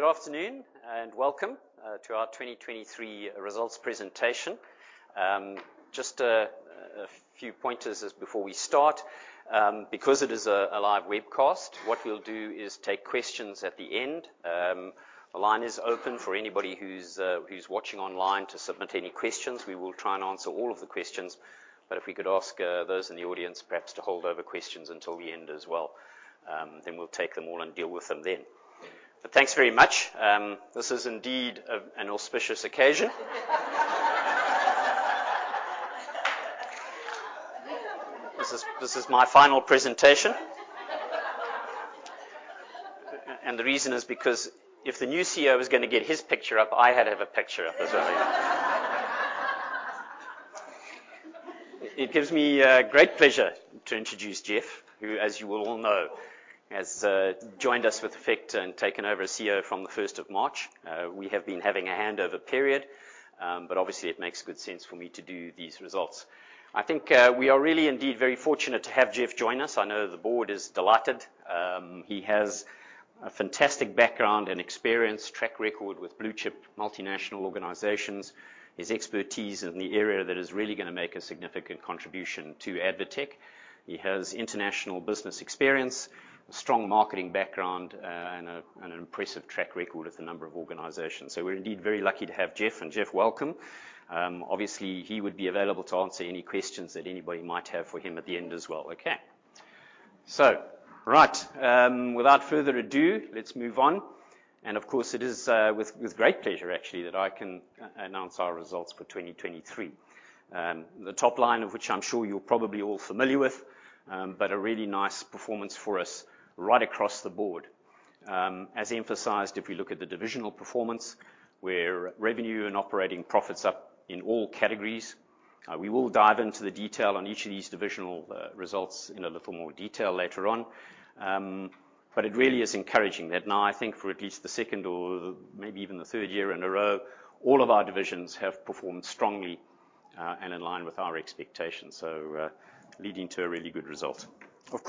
Good afternoon and welcome to our 2023 results presentation. Just a few pointers before we start, because it is a live webcast, what we'll do is take questions at the end. The line is open for anybody who's watching online to submit any questions. We will try and answer all of the questions, but if we could ask those in the audience perhaps to hold over questions until the end as well, then we'll take them all and deal with them then. Thanks very much. This is indeed an auspicious occasion. This is my final presentation. The reason is because if the new CEO is gonna get his picture up, I had to have a picture up as well. It gives me great pleasure to introduce Geoff, who as you well all know, has joined us with effect from and taken over as CEO from the first of March. We have been having a handover period, but obviously it makes good sense for me to do these results. I think, we are really indeed very fortunate to have Geoff join us. I know the board is delighted. He has a fantastic background and experience, track record with blue chip multinational organizations. His expertise in the area that is really gonna make a significant contribution to ADvTECH. He has international business experience, a strong marketing background, and an impressive track record with a number of organizations. We're indeed very lucky to have Geoff, and Geoff, welcome. Obviously he would be available to answer any questions that anybody might have for him at the end as well. Okay. Right. Without further ado, let's move on. Of course, it is with great pleasure actually that I can announce our results for 2023. The top line of which I'm sure you're probably all familiar with, but a really nice performance for us right across the board. As emphasized, if we look at the divisional performance, where revenue and operating profit's up in all categories, we will dive into the detail on each of these divisional results in a little more detail later on. It really is encouraging that now I think for at least the second or maybe even the third year in a row, all of our divisions have performed strongly, and in line with our expectations, leading to a really good result. Of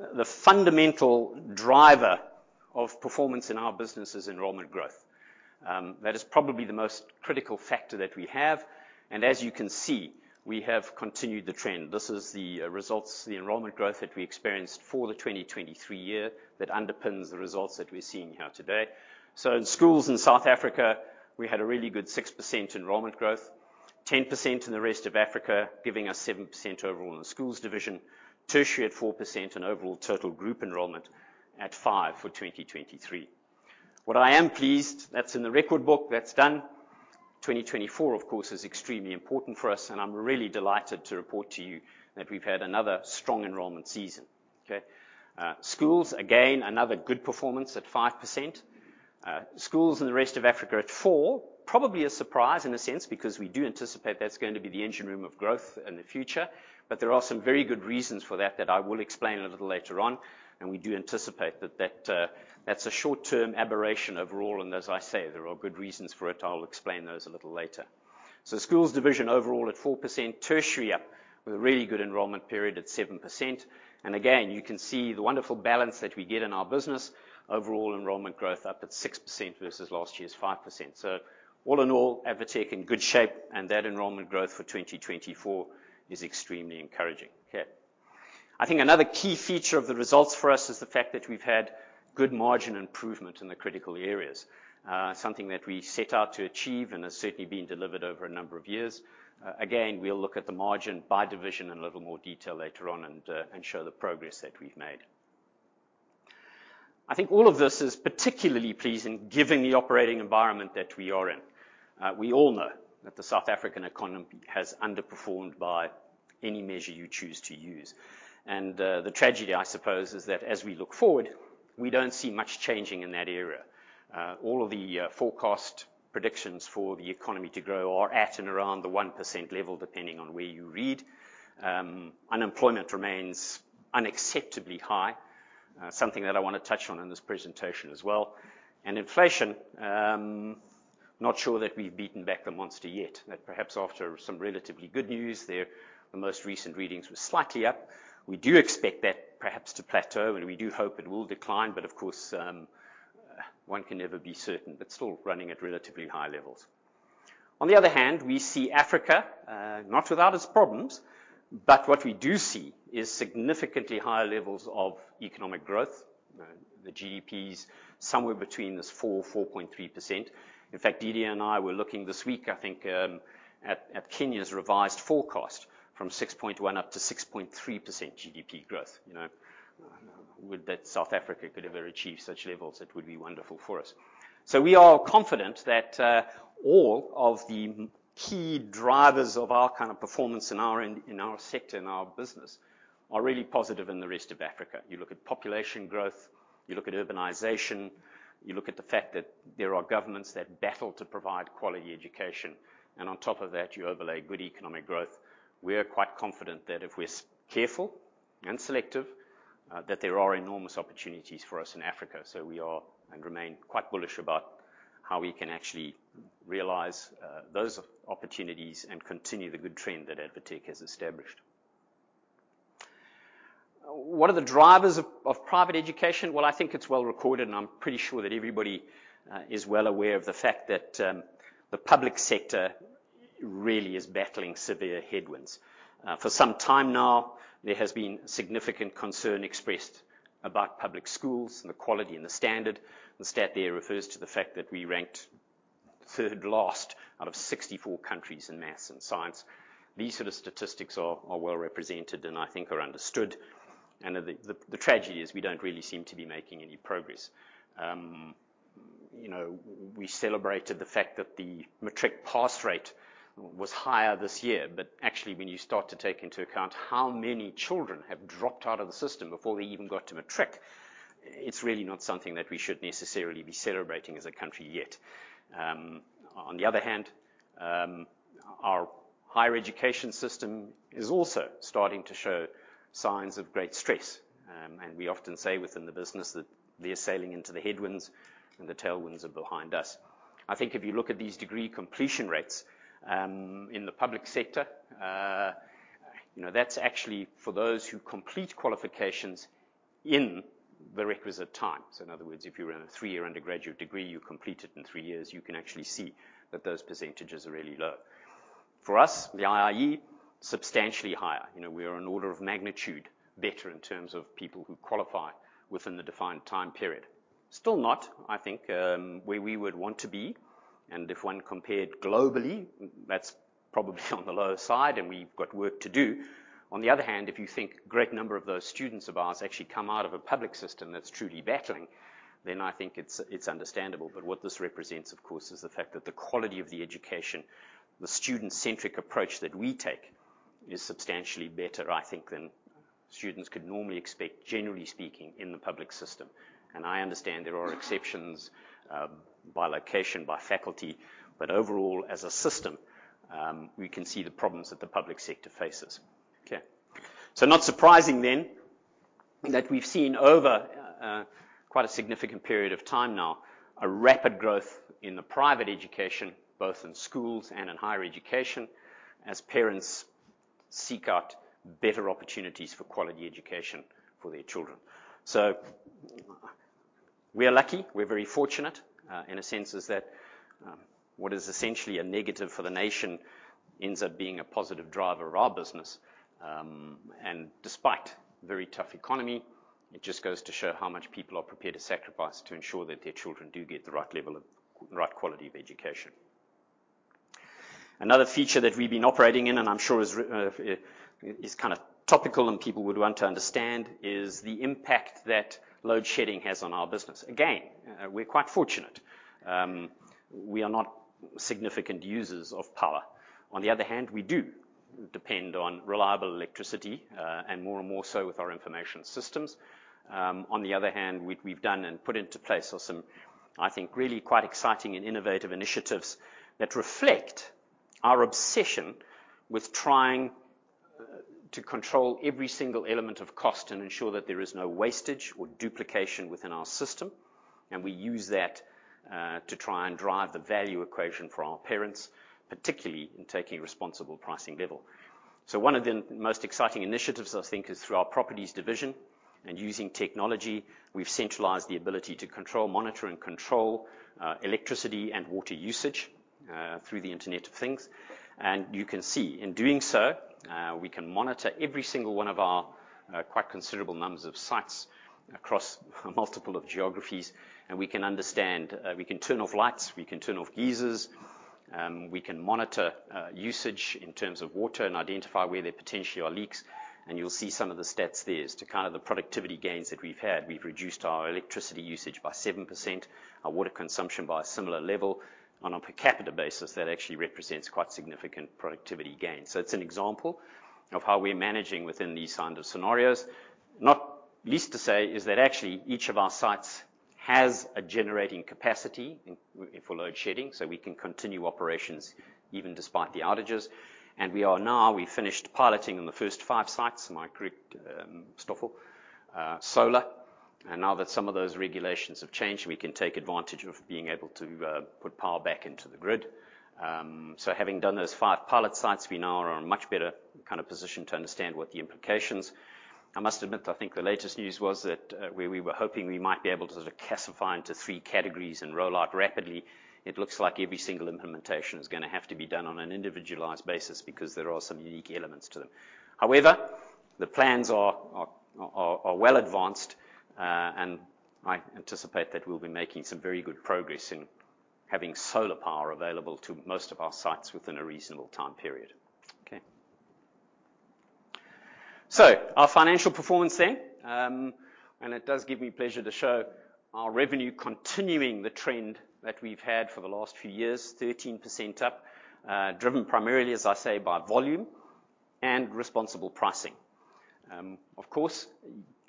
course, the fundamental driver of performance in our business is enrollment growth. That is probably the most critical factor that we have, and as you can see, we have continued the trend. This is the results, the enrollment growth that we experienced for the 2023 year that underpins the results that we're seeing here today. In schools in South Africa, we had a really good 6% enrollment growth, 10% in the rest of Africa, giving us 7% overall in the schools division. Tertiary at 4% and overall total group enrollment at 5% for 2023. What I am pleased, that's in the record book, that's done. 2024, of course, is extremely important for us, and I'm really delighted to report to you that we've had another strong enrollment season. Okay. Schools, again, another good performance at 5%. Schools in the rest of Africa at 4%, probably a surprise in a sense because we do anticipate that's going to be the engine room of growth in the future. There are some very good reasons for that I will explain a little later on. We do anticipate that that's a short-term aberration overall, and as I say, there are good reasons for it. I'll explain those a little later. Schools division overall at 4%. Tertiary up with a really good enrollment period at 7%. You can see the wonderful balance that we get in our business. Overall enrollment growth up at 6% versus last year's 5%. All in all, ADvTECH in good shape and that enrollment growth for 2024 is extremely encouraging. Okay. I think another key feature of the results for us is the fact that we've had good margin improvement in the critical areas. Something that we set out to achieve and has certainly been delivered over a number of years. Again, we'll look at the margin by division in a little more detail later on and show the progress that we've made. I think all of this is particularly pleasing given the operating environment that we are in. We all know that the South African economy has underperformed by any measure you choose to use. The tragedy, I suppose, is that as we look forward, we don't see much changing in that area. All of the forecast predictions for the economy to grow are at and around the 1% level, depending on where you read. Unemployment remains unacceptably high, something that I wanna touch on in this presentation as well. Inflation, not sure that we've beaten back the monster yet. That perhaps after some relatively good news there, the most recent readings were slightly up. We do expect that perhaps to plateau, and we do hope it will decline, but of course, one can never be certain. Still running at relatively high levels. On the other hand, we see Africa, not without its problems, but what we do see is significantly higher levels of economic growth. You know, the GDP is somewhere between 4% and 4.3%. In fact, DD and I were looking this week, I think, at Kenya's revised forecast from 6.1%-6.3% GDP growth. You know, would that South Africa could ever achieve such levels, it would be wonderful for us. We are confident that all of the key drivers of our kind of performance in our sector and our business are really positive in the rest of Africa. You look at population growth, you look at urbanization, you look at the fact that there are governments that battle to provide quality education, and on top of that, you overlay good economic growth. We are quite confident that if we're careful and selective, that there are enormous opportunities for us in Africa. We are, and remain, quite bullish about how we can actually realize those opportunities and continue the good trend that ADvTECH has established. What are the drivers of private education? Well, I think it's well recorded, and I'm pretty sure that everybody is well aware of the fact that the public sector really is battling severe headwinds. For some time now, there has been significant concern expressed about public schools and the quality and the standard. The stat there refers to the fact that we ranked third last out of 64 countries in math and science. These sort of statistics are well represented and I think are understood. The tragedy is we don't really seem to be making any progress. You know, we celebrated the fact that the matric pass rate was higher this year, but actually when you start to take into account how many children have dropped out of the system before they even got to matric, it's really not something that we should necessarily be celebrating as a country yet. On the other hand, our higher education system is also starting to show signs of great stress. We often say within the business that they're sailing into the headwinds and the tailwinds are behind us. I think if you look at these degree completion rates, in the public sector, you know, that's actually for those who complete qualifications in the requisite time. In other words, if you run a three-year undergraduate degree, you complete it in three years, you can actually see that those percentages are really low. For us, the IIE, substantially higher. You know, we are an order of magnitude better in terms of people who qualify within the defined time period. Still not, I think, where we would want to be, and if one compared globally, that's probably on the lower side and we've got work to do. On the other hand, if you think great number of those students of ours actually come out of a public system that's truly battling, then I think it's understandable. But what this represents, of course, is the fact that the quality of the education, the student-centric approach that we take is substantially better, I think, than students could normally expect, generally speaking, in the public system. I understand there are exceptions, by location, by faculty, but overall, as a system, we can see the problems that the public sector faces. Okay. Not surprising then that we've seen over quite a significant period of time now, a rapid growth in the private education, both in schools and in higher education, as parents seek out better opportunities for quality education for their children. We are lucky. We're very fortunate in a sense is that what is essentially a negative for the nation ends up being a positive driver of our business. Despite very tough economy, it just goes to show how much people are prepared to sacrifice to ensure that their children do get the right level of right quality of education. Another feature that we've been operating in, and I'm sure is kind of topical and people would want to understand, is the impact that load shedding has on our business. Again, we're quite fortunate. We are not significant users of power. On the other hand, we do depend on reliable electricity, and more and more so with our information systems. On the other hand, we've done and put into place are some, I think, really quite exciting and innovative initiatives that reflect our obsession with trying, to control every single element of cost and ensure that there is no wastage or duplication within our system. We use that, to try and drive the value equation for our parents, particularly in taking responsible pricing level. One of the most exciting initiatives I think is through our properties division and using technology, we've centralized the ability to control, monitor and control, electricity and water usage, through the Internet of Things. You can see in doing so, we can monitor every single one of our quite considerable numbers of sites across multiple geographies. We can understand we can turn off lights, we can turn off geysers, we can monitor usage in terms of water and identify where there potentially are leaks. You'll see some of the stats there as to kind of the productivity gains that we've had. We've reduced our electricity usage by 7%, our water consumption by a similar level. On a per capita basis, that actually represents quite significant productivity gains. It's an example of how we're managing within these kind of scenarios. Not least to say is that actually each of our sites has a generating capacity in for load shedding, so we can continue operations even despite the outages. We are now... We finished piloting in the first five sites, my group, Stoffel, solar. Now that some of those regulations have changed, we can take advantage of being able to put power back into the grid. Having done those five pilot sites, we now are in a much better kind of position to understand what the implications. I must admit, I think the latest news was that we were hoping we might be able to sort of classify into three categories and roll out rapidly. It looks like every single implementation is gonna have to be done on an individualized basis because there are some unique elements to them. However, the plans are well advanced, and I anticipate that we'll be making some very good progress in having solar power available to most of our sites within a reasonable time period. Okay. Our financial performance then, and it does give me pleasure to show our revenue continuing the trend that we've had for the last few years, 13% up, driven primarily, as I say, by volume and responsible pricing. Of course,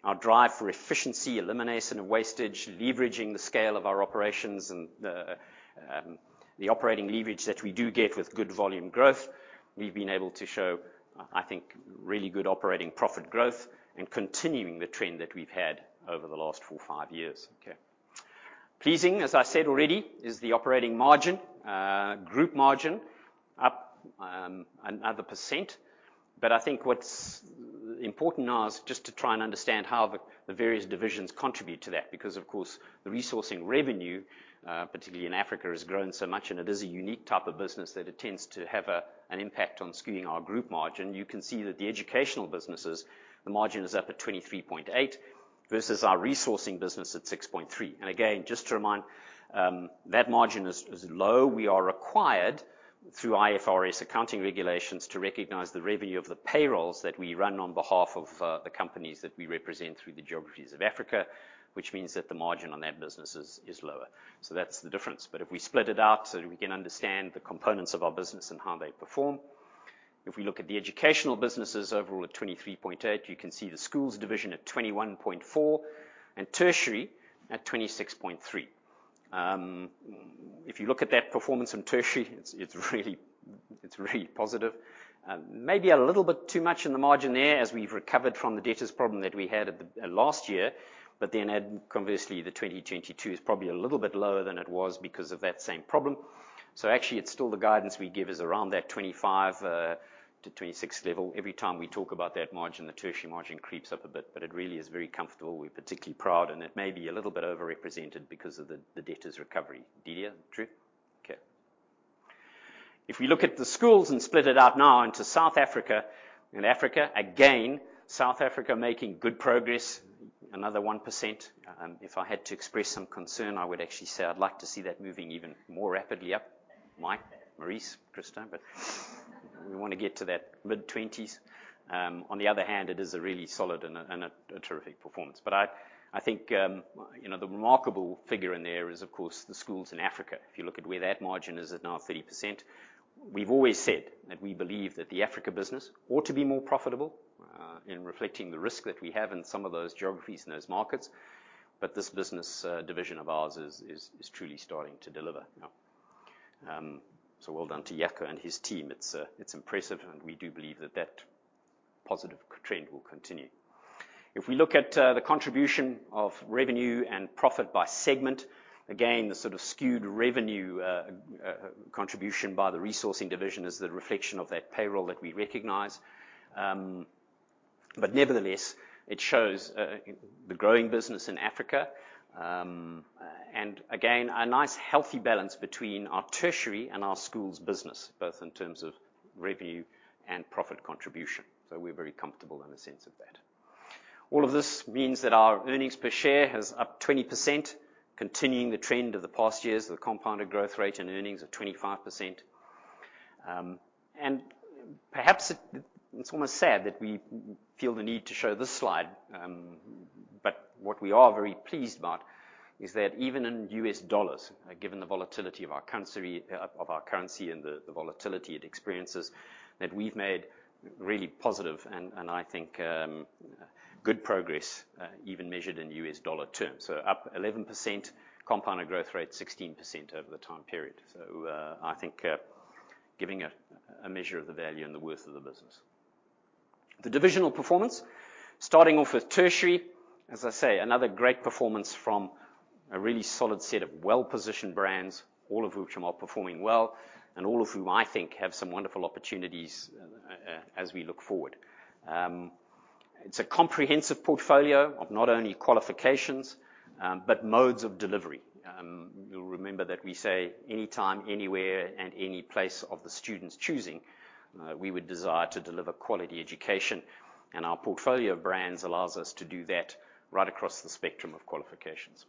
our drive for efficiency, elimination of wastage, leveraging the scale of our operations and the operating leverage that we do get with good volume growth, we've been able to show, I think, really good operating profit growth and continuing the trend that we've had over the last four, five years. Okay. Pleasing, as I said already, is the operating margin, group margin up another percent. I think what's important now is just to try and understand how the various divisions contribute to that because, of course, the resourcing revenue, particularly in Africa, has grown so much, and it is a unique type of business that tends to have an impact on skewing our group margin. You can see that the educational businesses, the margin is up at 23.8% versus our resourcing business at 6.3%. Again, just to remind, that margin is low. We are required through IFRS accounting regulations to recognize the revenue of the payrolls that we run on behalf of the companies that we represent through the geographies of Africa, which means that the margin on that business is lower. That's the difference. If we split it out, so we can understand the components of our business and how they perform. If we look at the educational businesses overall at 23.8%, you can see the schools division at 21.4% and tertiary at 26.3%. If you look at that performance in tertiary, it's really positive. Maybe a little bit too much in the margin there as we've recovered from the debtors problem that we had at the last year, but then conversely, the 2022 is probably a little bit lower than it was because of that same problem. Actually, it's still the guidance we give is around that 25%-26% level. Every time we talk about that margin, the tertiary margin creeps up a bit, but it really is very comfortable. We're particularly proud, and it may be a little bit overrepresented because of the debtors recovery. Didier, true? Okay. If we look at the schools and split it out now into South Africa and Africa, again, South Africa making good progress, another 1%. If I had to express some concern, I would actually say I'd like to see that moving even more rapidly up. Mike, Maurice, Christo Hertz. We wanna get to that mid-20s. On the other hand, it is a really solid and a terrific performance. I think you know, the remarkable figure in there is, of course, the schools in Africa. If you look at where that margin is at now, 30%. We've always said that we believe that the Africa business ought to be more profitable in reflecting the risk that we have in some of those geographies and those markets. But this business division of ours is truly starting to deliver now. Well done to Jaco and his team. It's impressive, and we do believe that that positive trend will continue. If we look at the contribution of revenue and profit by segment, again, the sort of skewed revenue contribution by the resourcing division is the reflection of that payroll that we recognize. Nevertheless, it shows the growing business in Africa. Again, a nice healthy balance between our tertiary and our school's business, both in terms of revenue and profit contribution. We're very comfortable in the sense of that. All of this means that our earnings per share is up 20%, continuing the trend of the past years, the compounded growth rate and earnings of 25%. Perhaps it's almost sad that we feel the need to show this slide. What we are very pleased about is that even in US dollars, given the volatility of our country of our currency and the volatility it experiences, that we've made really positive and I think good progress even measured in US dollar terms. Up 11%, compounded growth rate 16% over the time period. I think giving a measure of the value and the worth of the business. The divisional performance, starting off with tertiary, as I say, another great performance from a really solid set of well-positioned brands, all of which are performing well, and all of whom I think have some wonderful opportunities, as we look forward. It's a comprehensive portfolio of not only qualifications, but modes of delivery. You'll remember that we say anytime, anywhere, and any place of the student's choosing, we would desire to deliver quality education. Our portfolio of brands allows us to do that right across the spectrum of qualifications.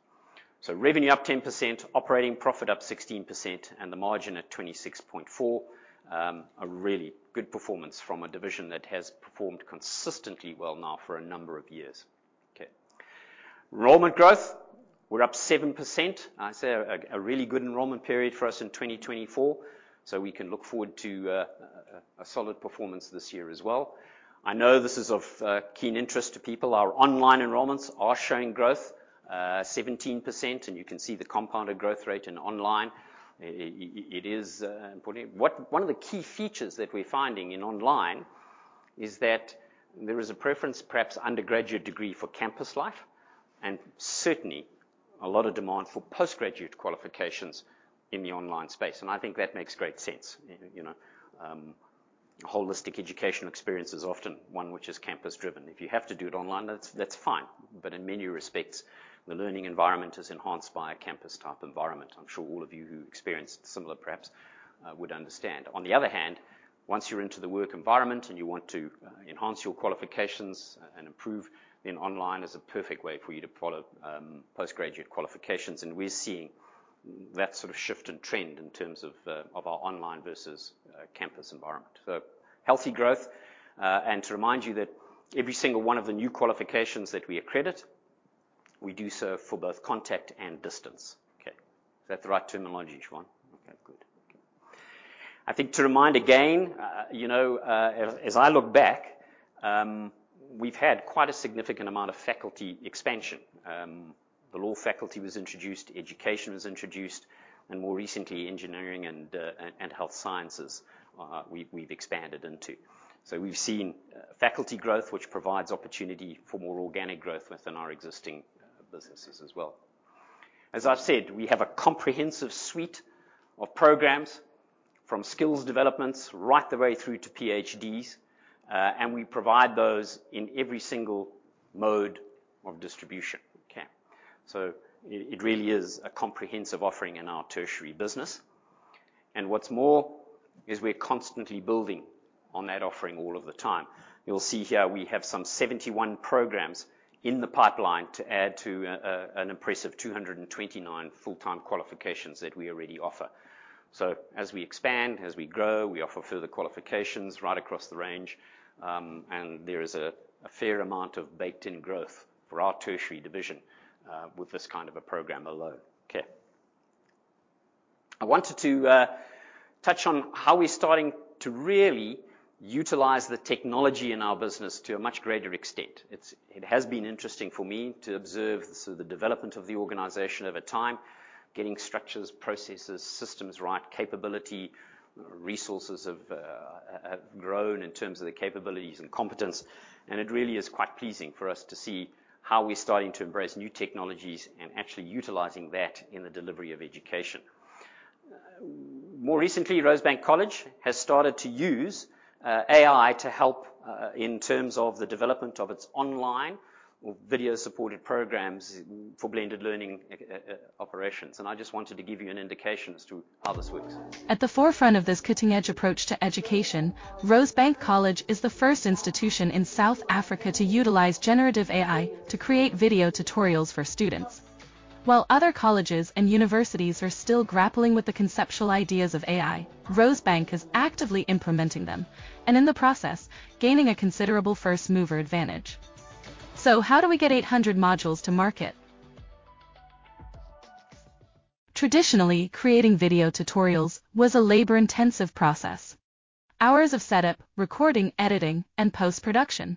Revenue up 10%, operating profit up 16%, and the margin at 26.4%. A really good performance from a division that has performed consistently well now for a number of years. Okay. Enrollment growth, we're up 7%. I'd say a really good enrollment period for us in 2024. We can look forward to a solid performance this year as well. I know this is of keen interest to people. Our online enrollments are showing growth, 17%, and you can see the compounded growth rate in online. It is important. One of the key features that we're finding in online is that there is a preference, perhaps undergraduate degree for campus life, and certainly a lot of demand for postgraduate qualifications in the online space, and I think that makes great sense. You know, holistic education experience is often one which is campus driven. If you have to do it online, that's fine. In many respects, the learning environment is enhanced by a campus type environment. I'm sure all of you who experienced similar, perhaps, would understand. On the other hand, once you're into the work environment and you want to enhance your qualifications and improve, then online is a perfect way for you to follow postgraduate qualifications. We're seeing that sort of shift and trend in terms of our online versus campus environment. Healthy growth. To remind you that every single one of the new qualifications that we accredit, we do so for both contact and distance. Okay. Is that the right terminology, Ruan? Okay, good. I think to remind again, you know, as I look back, we've had quite a significant amount of faculty expansion. The law faculty was introduced, education was introduced, and more recently, engineering and health sciences, we've expanded into. We've seen faculty growth, which provides opportunity for more organic growth within our existing businesses as well. As I've said, we have a comprehensive suite of programs from skills developments right the way through to PhDs, and we provide those in every single mode of distribution. Okay. It really is a comprehensive offering in our tertiary business. What's more is we're constantly building on that offering all of the time. You'll see here we have some 71 programs in the pipeline to add to an impressive 229 full-time qualifications that we already offer. As we expand, as we grow, we offer further qualifications right across the range. There is a fair amount of baked-in growth for our tertiary division with this kind of a program alone. Okay. I wanted to touch on how we're starting to really utilize the technology in our business to a much greater extent. It has been interesting for me to observe sort of the development of the organization over time, getting structures, processes, systems right, capability. Resources have grown in terms of the capabilities and competence, and it really is quite pleasing for us to see how we're starting to embrace new technologies and actually utilizing that in the delivery of education. More recently, Rosebank College has started to use AI to help in terms of the development of its online or video-supported programs for blended learning operations, and I just wanted to give you an indication as to how this works. At the forefront of this cutting-edge approach to education, Rosebank College is the first institution in South Africa to utilize generative AI to create video tutorials for students. While other colleges and universities are still grappling with the conceptual ideas of AI, Rosebank is actively implementing them, and in the process, gaining a considerable first-mover advantage. How do we get 800 modules to market? Traditionally, creating video tutorials was a labor-intensive process. Hours of setup, recording, editing, and post-production.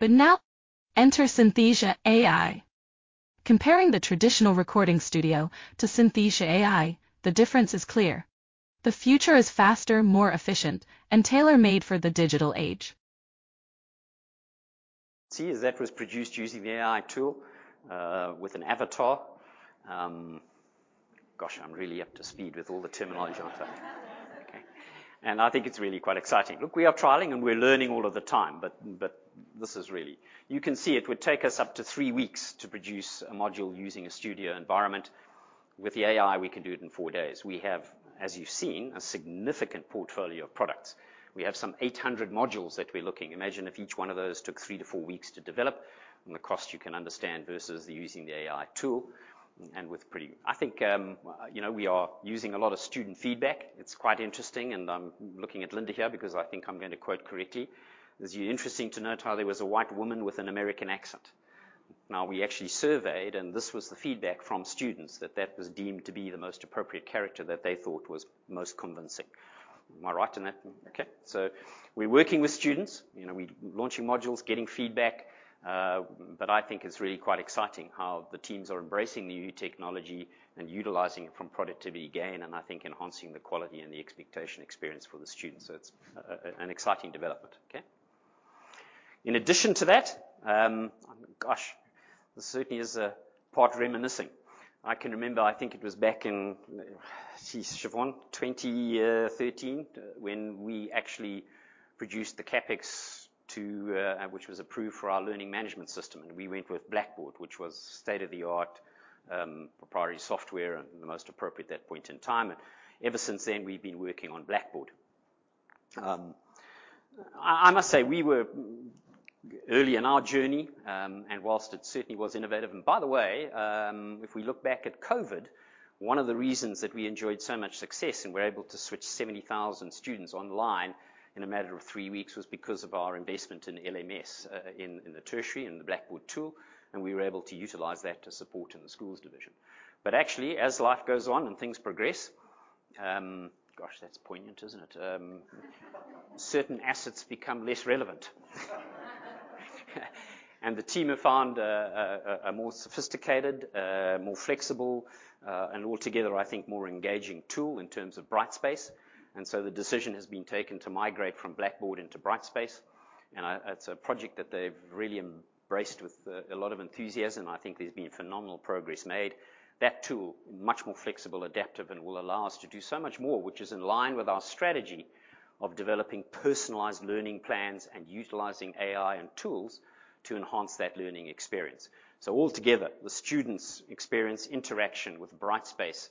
Now, enter Synthesia AI. Comparing the traditional recording studio to Synthesia AI, the difference is clear. The future is faster, more efficient, and tailor-made for the digital age. See, as that was produced using the AI tool, with an avatar. Gosh, I'm really up to speed with all the terminology, aren't I? Okay. I think it's really quite exciting. Look, we are trialing, and we're learning all of the time, but this is really. You can see it would take us up to three weeks to produce a module using a studio environment. With the AI, we can do it in four days. We have, as you've seen, a significant portfolio of products. We have some 800 modules that we're looking. Imagine if each one of those took three to four weeks to develop and the cost you can understand versus using the AI tool and with pretty. I think, you know, we are using a lot of student feedback. It's quite interesting, and I'm looking at Linda here because I think I'm going to quote correctly. It's interesting to note how there was a white woman with an American accent. Now, we actually surveyed, and this was the feedback from students that that was deemed to be the most appropriate character that they thought was most convincing. Am I right in that? Okay. We're working with students. You know, we're launching modules, getting feedback. But I think it's really quite exciting how the teams are embracing the new technology and utilizing it from productivity gain, and I think enhancing the quality and the expectation experience for the students. It's an exciting development. Okay? In addition to that, gosh, this certainly is a part reminiscing. I can remember, I think it was back in, geez, Siobhan, 2013 when we actually produced the CapEx, which was approved for our learning management system, and we went with Blackboard, which was state-of-the-art, proprietary software and the most appropriate at that point in time. Ever since then, we've been working on Blackboard. I must say we were early in our journey, and whilst it certainly was innovative. By the way, if we look back at COVID, one of the reasons that we enjoyed so much success and were able to switch 70,000 students online in a matter of three weeks was because of our investment in LMS in the tertiary in the Blackboard tool, and we were able to utilize that to support in the schools division. Actually, as life goes on and things progress, gosh, that's poignant, isn't it? Certain assets become less relevant. The team have found a more sophisticated, more flexible, and altogether, I think more engaging tool in terms of Brightspace. The decision has been taken to migrate from Blackboard into Brightspace. It's a project that they've really embraced with a lot of enthusiasm. I think there's been phenomenal progress made. That tool, much more flexible, adaptive and will allow us to do so much more, which is in line with our strategy of developing personalized learning plans and utilizing AI and tools to enhance that learning experience. Altogether, the students' experience interaction with Brightspace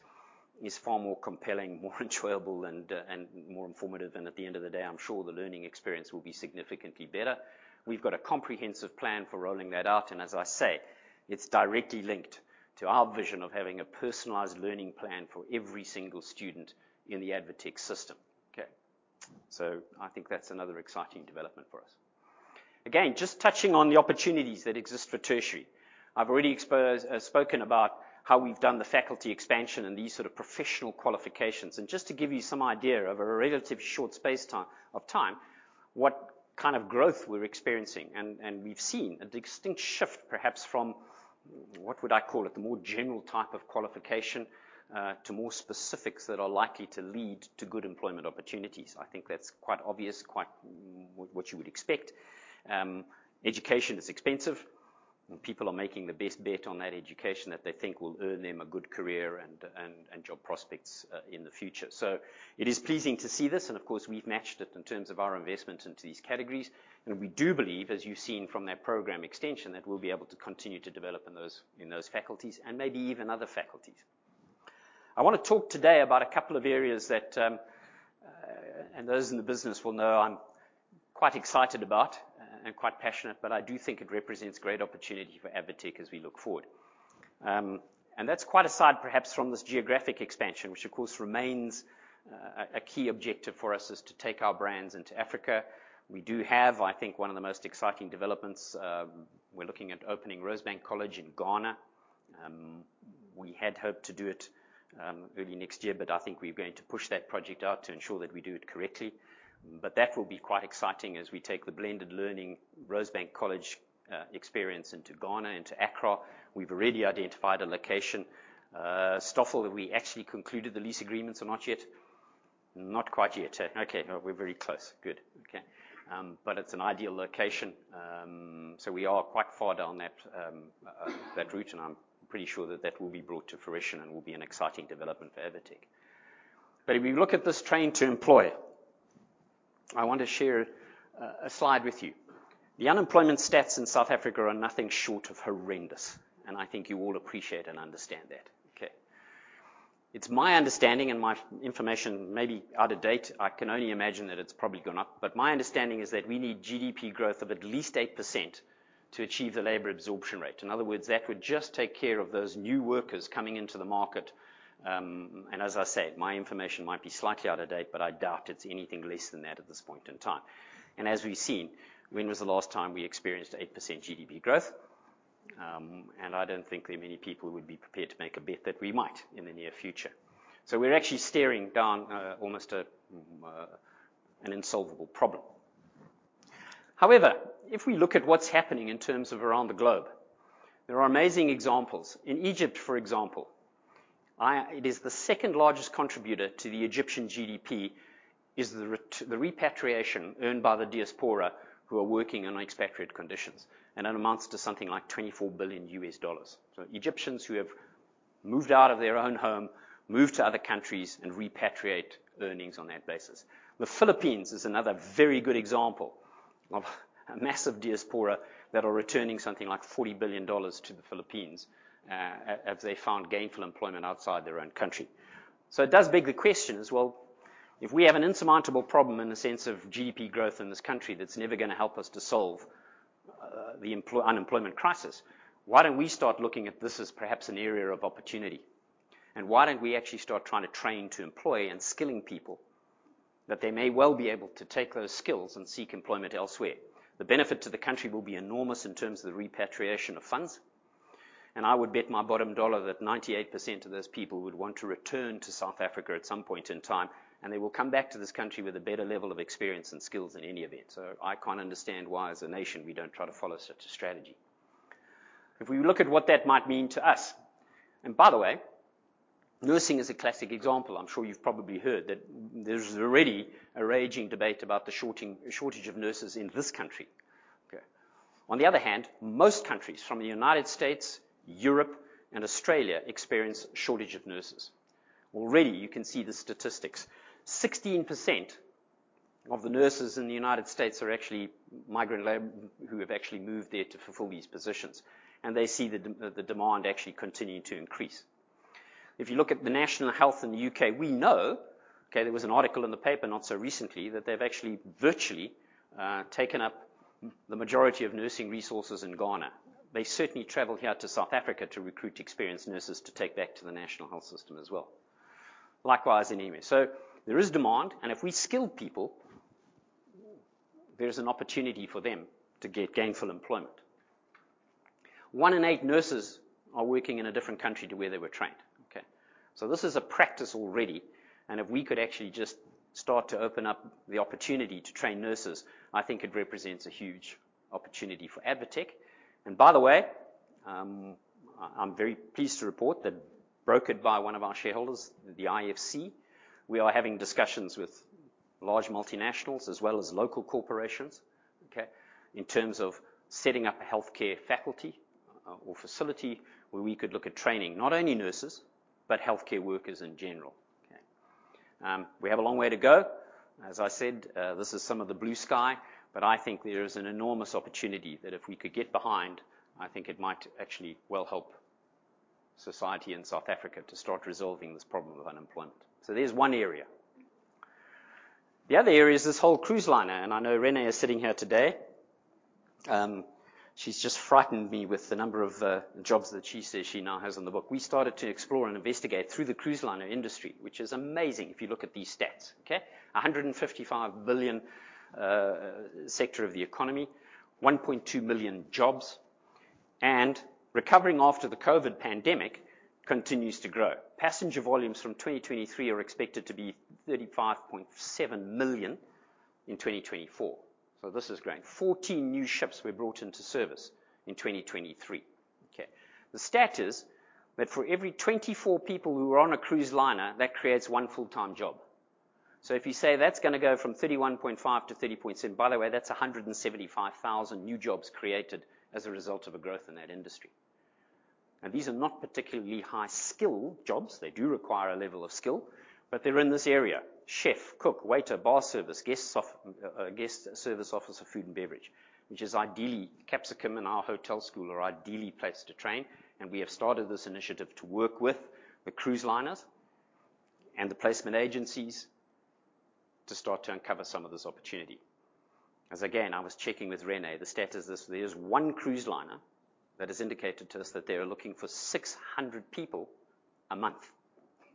is far more compelling, more enjoyable and more informative. At the end of the day, I'm sure the learning experience will be significantly better. We've got a comprehensive plan for rolling that out, and as I say, it's directly linked to our vision of having a personalized learning plan for every single student in the ADvTECH system. Okay. I think that's another exciting development for us. Again, just touching on the opportunities that exist for tertiary. I've already spoken about how we've done the faculty expansion and these sort of professional qualifications. Just to give you some idea over a relatively short space of time, what kind of growth we're experiencing. We've seen a distinct shift, perhaps from what would I call it? The more general type of qualification to more specifics that are likely to lead to good employment opportunities. I think that's quite obvious, quite what you would expect. Education is expensive, and people are making the best bet on that education that they think will earn them a good career and job prospects in the future. It is pleasing to see this, and of course, we've matched it in terms of our investment into these categories. We do believe, as you've seen from that program extension, that we'll be able to continue to develop in those faculties and maybe even other faculties. I wanna talk today about a couple of areas that those in the business will know I'm quite excited about and quite passionate, but I do think it represents great opportunity for ADvTECH as we look forward. That's quite aside perhaps from this geographic expansion, which of course remains a key objective for us, is to take our brands into Africa. We do have, I think, one of the most exciting developments. We're looking at opening Rosebank College in Ghana. We had hoped to do it early next year, but I think we're going to push that project out to ensure that we do it correctly. That will be quite exciting as we take the blended learning Rosebank College experience into Ghana, into Accra. We've already identified a location. Stoffel, have we actually concluded the lease agreements or not yet? Not quite yet. Okay. No, we're very close. Good. Okay. But it's an ideal location. So we are quite far down that route, and I'm pretty sure that that will be brought to fruition and will be an exciting development for ADvTECH. If we look at this trend to employ, I want to share a slide with you. The unemployment stats in South Africa are nothing short of horrendous, and I think you all appreciate and understand that. Okay. It's my understanding and my information may be out of date. I can only imagine that it's probably gone up. My understanding is that we need GDP growth of at least 8% to achieve the labor absorption rate. In other words, that would just take care of those new workers coming into the market. As I said, my information might be slightly out of date, but I doubt it's anything less than that at this point in time. As we've seen, when was the last time we experienced 8% GDP growth? I don't think there are many people who would be prepared to make a bet that we might in the near future. We're actually staring down almost an insoluble problem. However, if we look at what's happening in terms of around the globe, there are amazing examples. In Egypt, for example, it is the second largest contributor to the Egyptian GDP, the repatriation earned by the diaspora who are working on expatriate conditions, and it amounts to something like $24 billion. Egyptians who have moved out of their own home, moved to other countries and repatriate earnings on that basis. The Philippines is another very good example of a massive diaspora that are returning something like $40 billion to the Philippines as they found gainful employment outside their own country. It does beg the question as well, if we have an insurmountable problem in the sense of GDP growth in this country, that's never gonna help us to solve the unemployment crisis. Why don't we start looking at this as perhaps an area of opportunity? Why don't we actually start trying to train to employ and skilling people that they may well be able to take those skills and seek employment elsewhere? The benefit to the country will be enormous in terms of the repatriation of funds, and I would bet my bottom dollar that 98% of those people would want to return to South Africa at some point in time, and they will come back to this country with a better level of experience and skills in any event. I can't understand why, as a nation, we don't try to follow such a strategy. If we look at what that might mean to us. By the way, nursing is a classic example. I'm sure you've probably heard that there's already a raging debate about the shortage of nurses in this country. Okay. On the other hand, most countries from the United States, Europe and Australia experience shortage of nurses. Already, you can see the statistics. 16% of the nurses in the United States are actually migrant who have actually moved there to fulfill these positions, and they see the demand actually continuing to increase. If you look at the National Health Service in the U.K., we know, okay, there was an article in the paper not so recently that they've actually virtually taken up the majority of nursing resources in Ghana. They certainly travel here to South Africa to recruit experienced nurses to take back to the National Health Service as well. Likewise in EMH. There is demand, and if we skill people, there's an opportunity for them to get gainful employment. One in eight nurses are working in a different country to where they were trained. Okay. This is a practice already, and if we could actually just start to open up the opportunity to train nurses, I think it represents a huge opportunity for ADvTECH. By the way, I'm very pleased to report that brokered by one of our shareholders, the IFC, we are having discussions with large multinationals as well as local corporations, okay, in terms of setting up a healthcare faculty or facility where we could look at training not only nurses but healthcare workers in general. Okay. We have a long way to go. As I said, this is some of the blue sky, but I think there is an enormous opportunity that if we could get behind, I think it might actually well help society in South Africa to start resolving this problem of unemployment. There's one area. The other area is this whole cruise liner, and I know Renee is sitting here today. She's just frightened me with the number of jobs that she says she now has on the book. We started to explore and investigate through the cruise liner industry, which is amazing if you look at these stats. Okay? $155 billion sector of the economy, 1.2 million jobs, and recovering after the COVID pandemic continues to grow. Passenger volumes from 2023 are expected to be $35.7 million in 2024. This is great. 14 new ships were brought into service in 2023. Okay? The stat is that for every 24 people who are on a cruise liner, that creates one full-time job. If you say that's gonna go from 31.5 to 30.7, by the way, that's 175,000 new jobs created as a result of a growth in that industry. Now, these are not particularly high-skill jobs. They do require a level of skill, but they're in this area: chef, cook, waiter, bar service, guest off... Guest service office of food and beverage, which is ideally Capsicum and our hotel school are ideally placed to train, and we have started this initiative to work with the cruise liners and the placement agencies to start to uncover some of this opportunity. As again, I was checking with Renee, the stat is this, there is one cruise liner that has indicated to us that they are looking for 600 people a month.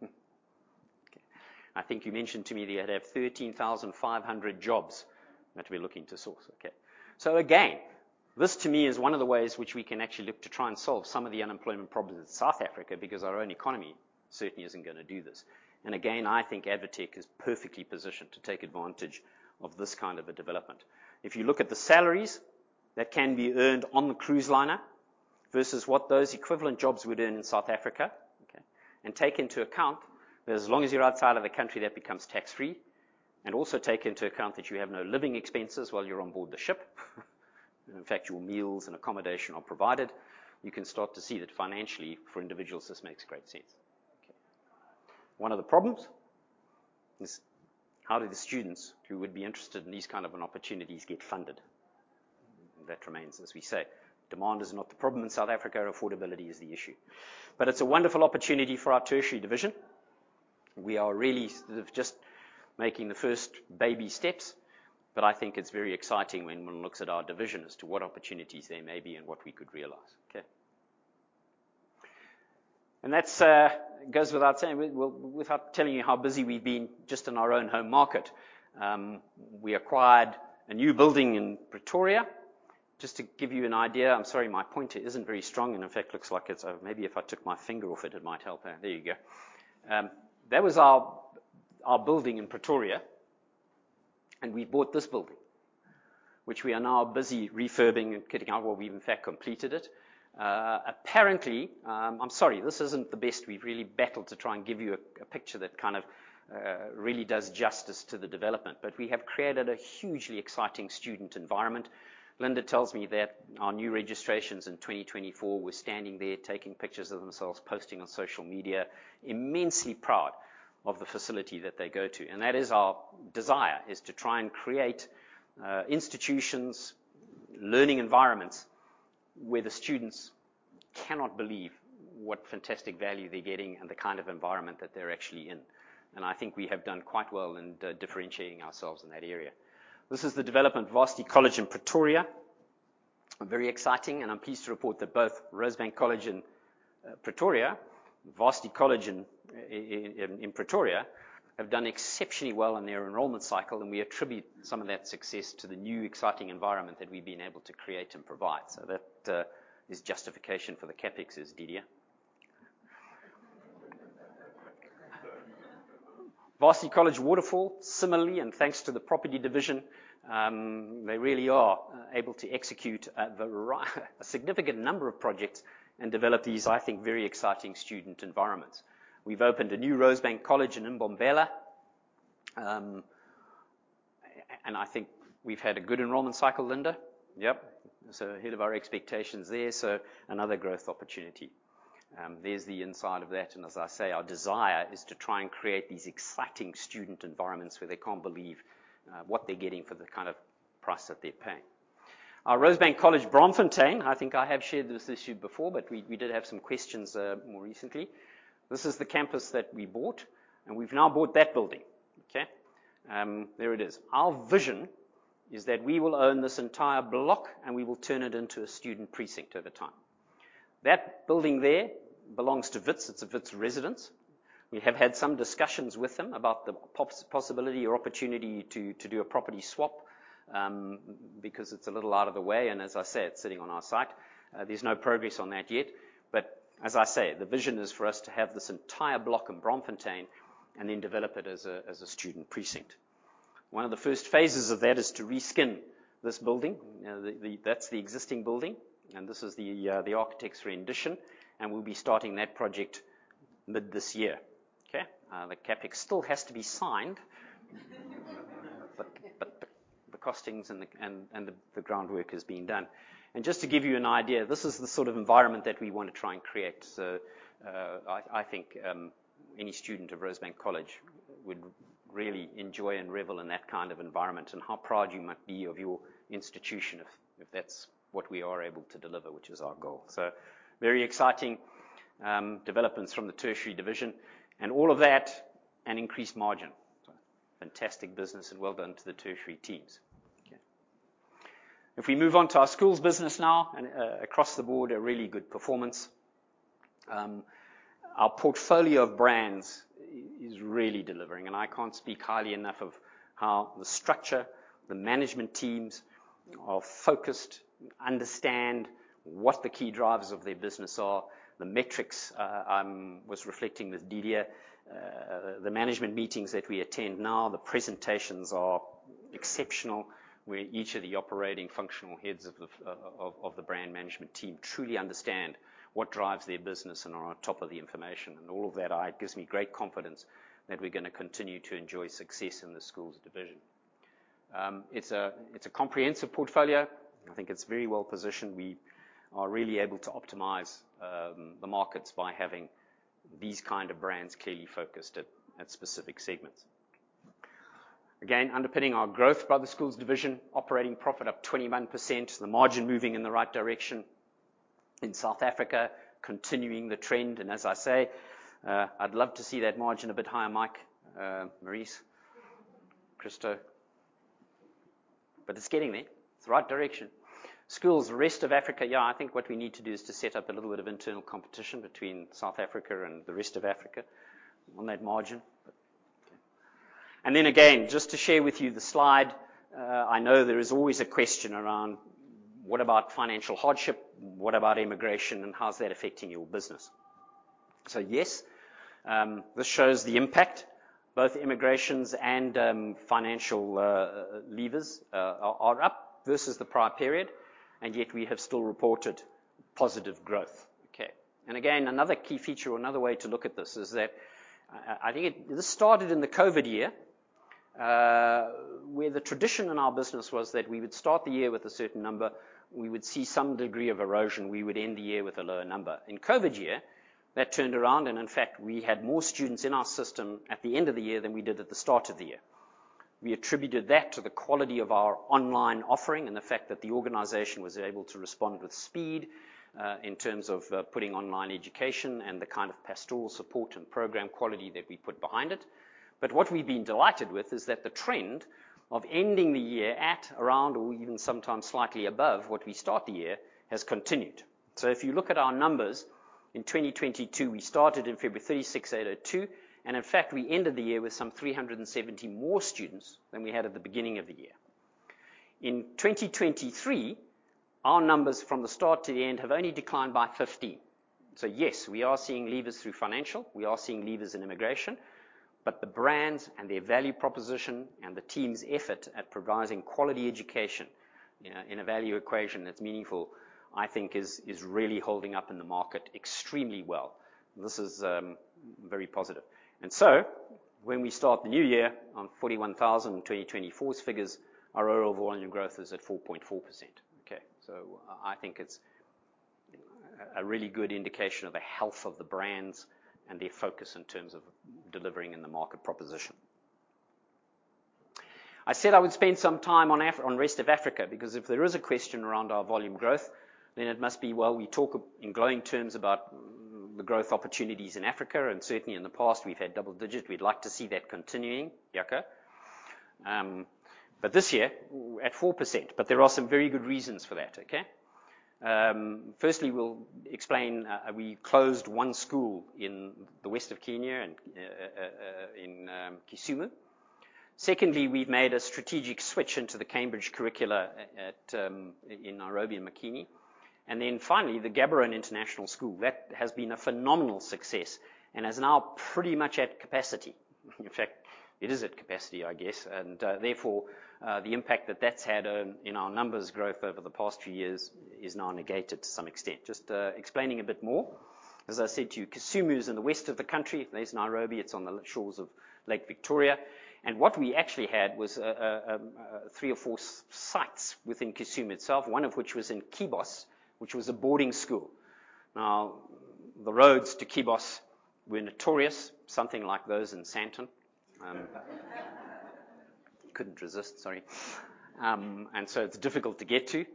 Okay. I think you mentioned to me they have 13,500 jobs that we're looking to source. Okay. Again, this to me is one of the ways which we can actually look to try and solve some of the unemployment problems in South Africa, because our own economy certainly isn't gonna do this. Again, I think ADvTECH is perfectly positioned to take advantage of this kind of a development. If you look at the salaries that can be earned on the cruise liner versus what those equivalent jobs would earn in South Africa, okay, and take into account that as long as you're outside of the country, that becomes tax-free, and also take into account that you have no living expenses while you're on board the ship, in fact, your meals and accommodation are provided, you can start to see that financially for individuals, this makes great sense. Okay. One of the problems is how do the students who would be interested in these kind of an opportunities get funded? That remains, as we say, demand is not the problem in South Africa. Affordability is the issue. It's a wonderful opportunity for our tertiary division. We are really sort of just making the first baby steps, but I think it's very exciting when one looks at our division as to what opportunities there may be and what we could realize. Okay. That goes without saying, well, without telling you how busy we've been just in our own home market. We acquired a new building in Pretoria. Just to give you an idea. I'm sorry, my pointer isn't very strong, and in fact, looks like it's over. Maybe if I took my finger off it might help. There you go. That was our building in Pretoria. We bought this building, which we are now busy refurbing. Well, we in fact completed it. Apparently, I'm sorry, this isn't the best. We've really battled to try and give you a picture that kind of really does justice to the development. We have created a hugely exciting student environment. Linda tells me that our new registrations in 2024 were standing there taking pictures of themselves, posting on social media, immensely proud of the facility that they go to. That is our desire to try and create institutions, learning environments where the students cannot believe what fantastic value they're getting and the kind of environment that they're actually in. I think we have done quite well in differentiating ourselves in that area. This is the development Varsity College in Pretoria. Very exciting, I'm pleased to report that both Rosebank College in Pretoria, Varsity College in Pretoria, have done exceptionally well in their enrollment cycle, and we attribute some of that success to the new exciting environment that we've been able to create and provide. That is justification for the CapEx, Dilia. Varsity College Waterfall, similarly, and thanks to the property division, they really are able to execute a significant number of projects and develop these, I think, very exciting student environments. We've opened a new Rosebank College in Mbombela. And I think we've had a good enrollment cycle, Linda. Yep. Ahead of our expectations there, so another growth opportunity. There's the inside of that. As I say, our desire is to try and create these exciting student environments where they can't believe what they're getting for the kind of price that they're paying. Our Rosebank College, Bloemfontein, I think I have shared this issue before, but we did have some questions more recently. This is the campus that we bought, and we've now bought that building. There it is. Our vision is that we will own this entire block, and we will turn it into a student precinct over time. That building there belongs to Wits. It's a Wits residence. We have had some discussions with them about the possibility or opportunity to do a property swap because it's a little out of the way, and as I said, sitting on our site. There's no progress on that yet. As I say, the vision is for us to have this entire block in Bloemfontein and then develop it as a student precinct. One of the first phases of that is to reskin this building. Now, that's the existing building, and this is the architect's rendition, and we'll be starting that project mid this year. Okay. The CapEx still has to be signed. The costings and the groundwork is being done. Just to give you an idea, this is the sort of environment that we wanna try and create. I think any student of Rosebank College would really enjoy and revel in that kind of environment and how proud you might be of your institution if that's what we are able to deliver, which is our goal. Very exciting developments from the tertiary division. All of that, an increased margin. Fantastic business and well done to the tertiary teams. Okay. If we move on to our schools business now and, across the board, a really good performance. Our portfolio of brands is really delivering, and I can't speak highly enough of how the structure, the management teams are focused, understand what the key drivers of their business are, the metrics. I was reflecting with Delia, the management meetings that we attend now, the presentations are exceptional, where each of the operating functional heads of the brand management team truly understand what drives their business and are on top of the information. All of that, it gives me great confidence that we're gonna continue to enjoy success in the schools division. It's a comprehensive portfolio. I think it's very well-positioned. We are really able to optimize the markets by having these kind of brands clearly focused at specific segments. Again, underpinning our growth by the schools division, operating profit up 21%. The margin moving in the right direction in South Africa, continuing the trend. As I say, I'd love to see that margin a bit higher, Mike, Maurice, Christo, but it's getting there. It's the right direction. Schools, rest of Africa. Yeah, I think what we need to do is to set up a little bit of internal competition between South Africa and the rest of Africa on that margin. Okay. Then again, just to share with you the slide, I know there is always a question around what about financial hardship? What about immigration, and how is that affecting your business? Yes, this shows the impact, both immigration and financial levers are up versus the prior period, and yet we have still reported positive growth. Okay. Again, another key feature or another way to look at this is that I think it. This started in the COVID year, where the tradition in our business was that we would start the year with a certain number. We would see some degree of erosion. We would end the year with a lower number. In COVID year, that turned around, and in fact, we had more students in our system at the end of the year than we did at the start of the year. We attributed that to the quality of our online offering and the fact that the organization was able to respond with speed in terms of putting online education and the kind of pastoral support and program quality that we put behind it. What we've been delighted with is that the trend of ending the year at, around or even sometimes slightly above what we start the year has continued. If you look at our numbers, in 2022, we started in February 36,802, and in fact, we ended the year with some 370 more students than we had at the beginning of the year. In 2023, our numbers from the start to the end have only declined by 50. Yes, we are seeing leavers through financial. We are seeing leavers in immigration. The brands and their value proposition and the team's effort at providing quality education in a value equation that's meaningful, I think is really holding up in the market extremely well. This is very positive. When we start the new year on 41,000, 2024's figures, our overall volume growth is at 4.4%. Okay. I think it's a really good indication of the health of the brands and their focus in terms of delivering in the market proposition. I said I would spend some time on rest of Africa, because if there is a question around our volume growth, then it must be, well, we talk in glowing terms about the growth opportunities in Africa, and certainly in the past we've had double digit. We'd like to see that continuing, Jaco. This year we're at 4%, but there are some very good reasons for that, okay? Firstly, we'll explain, we closed one school in the west of Kenya and in Kisumu. Secondly, we've made a strategic switch into the Cambridge curricula in Nairobi, Makini. Finally, the Gaborone International School. That has been a phenomenal success and is now pretty much at capacity. In fact, it is at capacity, I guess. Therefore, the impact that that's had in our numbers growth over the past few years is now negated to some extent. Just explaining a bit more, as I said to you, Kisumu is in the west of the country. There's Nairobi. It's on the shores of Lake Victoria. What we actually had was a three or four sites within Kisumu itself, one of which was in Kibos, which was a boarding school. Now, the roads to Kibos were notorious, something like those in Sandton. Couldn't resist. Sorry. It's difficult to get to.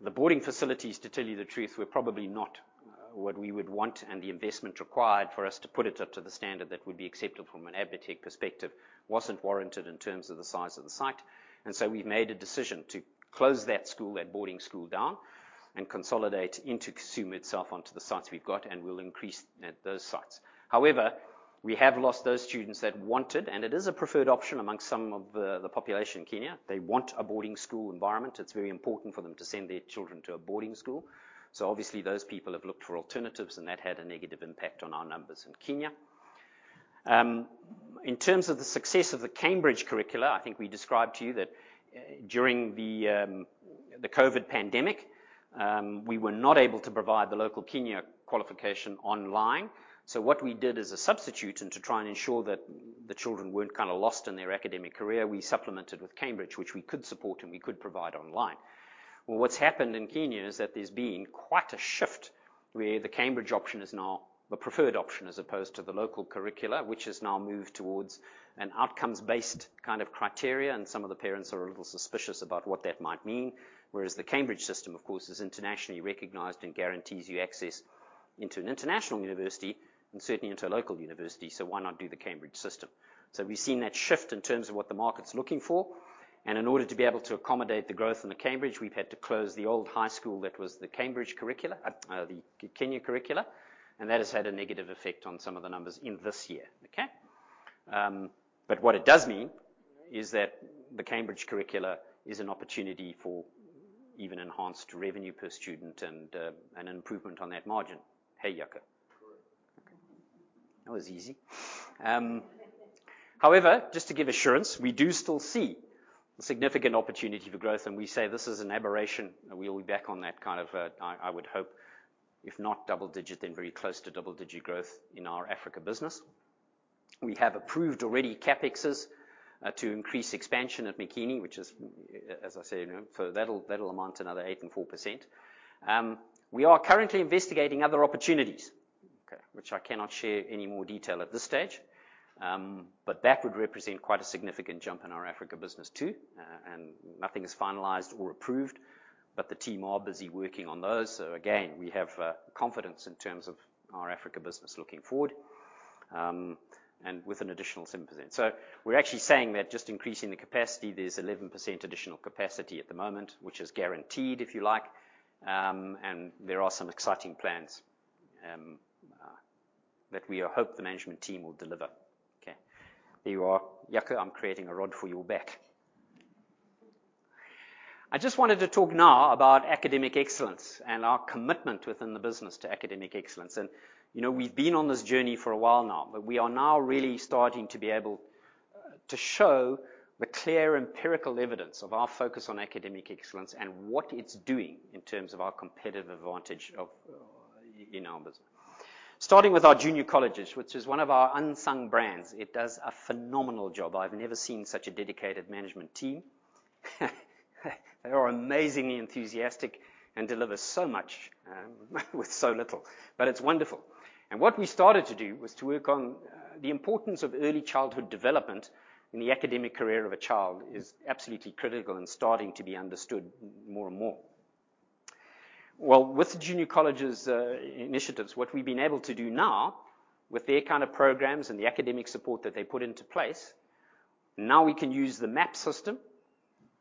The boarding facilities, to tell you the truth, were probably not what we would want, and the investment required for us to put it up to the standard that would be acceptable from an ADvTECH perspective wasn't warranted in terms of the size of the site. We've made a decision to close that boarding school down and consolidate into Kisumu itself onto the sites we've got, and we'll increase at those sites. However, we have lost those students that wanted, and it is a preferred option amongst some of the population in Kenya. They want a boarding school environment. It's very important for them to send their children to a boarding school. Obviously those people have looked for alternatives, and that had a negative impact on our numbers in Kenya. In terms of the success of the Cambridge curricula, I think we described to you that during the COVID pandemic, we were not able to provide the local Kenyan qualification online. What we did as a substitute and to try and ensure that the children weren't kinda lost in their academic career, we supplemented with Cambridge, which we could support and we could provide online. Well, what's happened in Kenya is that there's been quite a shift, where the Cambridge option is now the preferred option as opposed to the local curricula, which has now moved towards an outcomes-based kind of criteria, and some of the parents are a little suspicious about what that might mean. Whereas the Cambridge system, of course, is internationally recognized and guarantees you access into an international university and certainly into a local university, so why not do the Cambridge system? We've seen that shift in terms of what the market's looking for. In order to be able to accommodate the growth in the Cambridge, we've had to close the old high school that was the Cambridge curricula, the Kenya curricula, and that has had a negative effect on some of the numbers in this year. What it does mean is that the Cambridge curricula is an opportunity for even enhanced revenue per student and an improvement on that margin. Hey, Jaco. Correct. That was easy. However, just to give assurance, we do still see significant opportunity for growth, and we say this is an aberration, and we'll be back on that kind of, I would hope, if not double-digit then very close to double-digit growth in our Africa business. We have approved already CapExes to increase expansion at Makini, which is, as I say, so that'll amount to another 8% and 4%. We are currently investigating other opportunities, which I cannot share any more detail at this stage. That would represent quite a significant jump in our Africa business too. Nothing is finalized or approved, but the team are busy working on those. Again, we have confidence in terms of our Africa business looking forward, and with an additional 10%. We're actually saying that just increasing the capacity, there's 11% additional capacity at the moment, which is guaranteed if you like. There are some exciting plans that we hope the management team will deliver. Okay. There you are. Jaco, I'm creating a rod for your back. I just wanted to talk now about academic excellence and our commitment within the business to academic excellence. You know, we've been on this journey for a while now, but we are now really starting to be able to show the clear empirical evidence of our focus on academic excellence and what it's doing in terms of our competitive advantage of, in our business. Starting with our Junior Colleges, which is one of our unsung brands. It does a phenomenal job. I've never seen such a dedicated management team. They are amazingly enthusiastic and deliver so much with so little, but it's wonderful. What we started to do was to work on the importance of early childhood development in the academic career of a child is absolutely critical and starting to be understood more and more. With the Junior Colleges initiatives, what we've been able to do now with their kind of programs and the academic support that they put into place, now we can use the MAP system,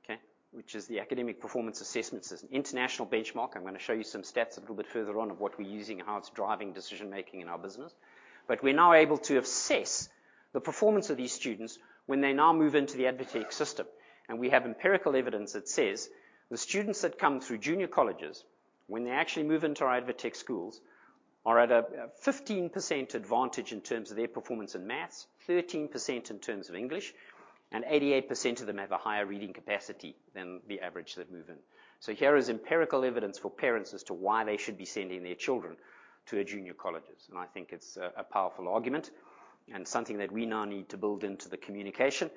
okay, which is the academic performance assessment system, international benchmark. I'm gonna show you some stats a little bit further on of what we're using and how it's driving decision-making in our business. We're now able to assess the performance of these students when they now move into the ADvTECH system. We have empirical evidence that says the students that come through Junior Colleges when they actually move into our ADvTECH schools are at a 15% advantage in terms of their performance in math, 13% in terms of English, and 88% of them have a higher reading capacity than the average that move in. Here is empirical evidence for parents as to why they should be sending their children to a Junior Colleges. I think it's a powerful argument and something that we now need to build into the communication.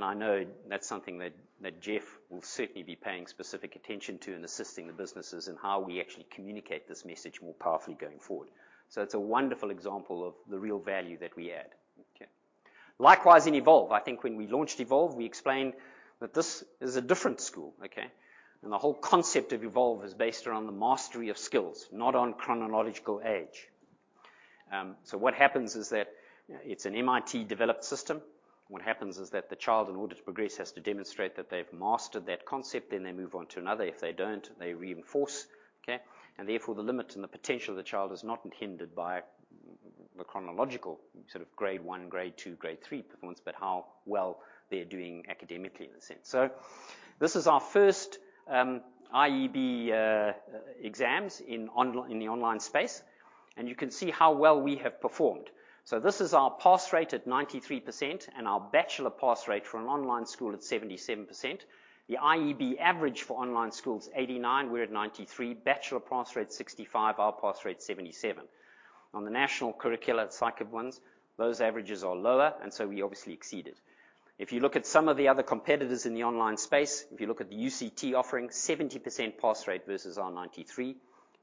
I know that's something that Geoff will certainly be paying specific attention to in assisting the businesses in how we actually communicate this message more powerfully going forward. It's a wonderful example of the real value that we add. Okay. Likewise in Evolve. I think when we launched Evolve, we explained that this is a different school, okay? The whole concept of Evolve is based around the mastery of skills, not on chronological age. What happens is that it's an MIT-developed system. What happens is that the child, in order to progress, has to demonstrate that they've mastered that concept, then they move on to another. If they don't, they reinforce, okay? Therefore, the limit and the potential of the child is not hindered by the chronological sort of grade one, grade two, grade three performance, but how well they're doing academically in a sense. This is our first IEB exams in the online space, and you can see how well we have performed. This is our pass rate at 93% and our bachelor pass rate for an online school at 77%. The IEB average for online school is 89%. We're at 93%. Bachelor pass rate 65%. Our pass rate 77%. On the national curricula at cycle ones, those averages are lower, and so we obviously exceed it. If you look at some of the other competitors in the online space, if you look at the UCT offering, 70% pass rate versus our 93%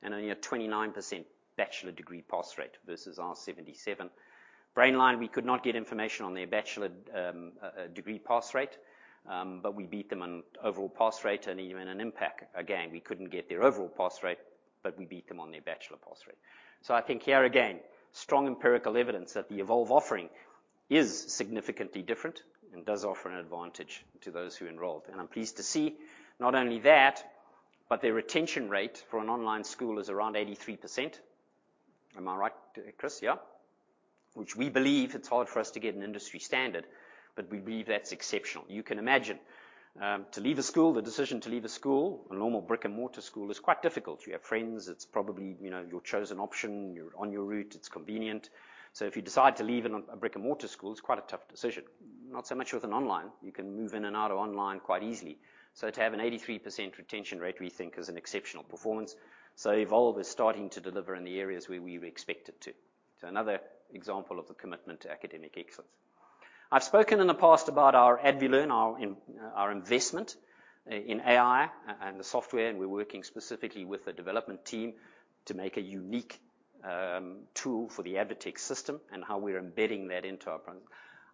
and only a 29% bachelor degree pass rate versus our 77%. Brainline, we could not get information on their bachelor degree pass rate. But we beat them on overall pass rate and even Impaq. Again, we couldn't get their overall pass rate, but we beat them on their bachelor pass rate. I think here again, strong empirical evidence that the Evolve offering is significantly different and does offer an advantage to those who enrolled. I'm pleased to see not only that, but their retention rate for an online school is around 83%. Am I right, Chris? Yeah. Which we believe it's hard for us to get an industry standard, but we believe that's exceptional. You can imagine to leave a school, the decision to leave a school, a normal brick-and-mortar school is quite difficult. You have friends. It's probably, you know, your chosen option. You're on your route. It's convenient. If you decide to leave a brick-and-mortar school, it's quite a tough decision. Not so much with an online. You can move in and out of online quite easily. To have an 83% retention rate, we think is an exceptional performance. Evolve is starting to deliver in the areas where we expect it to. Another example of the commitment to academic excellence. I've spoken in the past about our ADvLEARN, our investment in AI and the software, and we're working specifically with the development team to make a unique tool for the ADvTECH system and how we're embedding that into our program.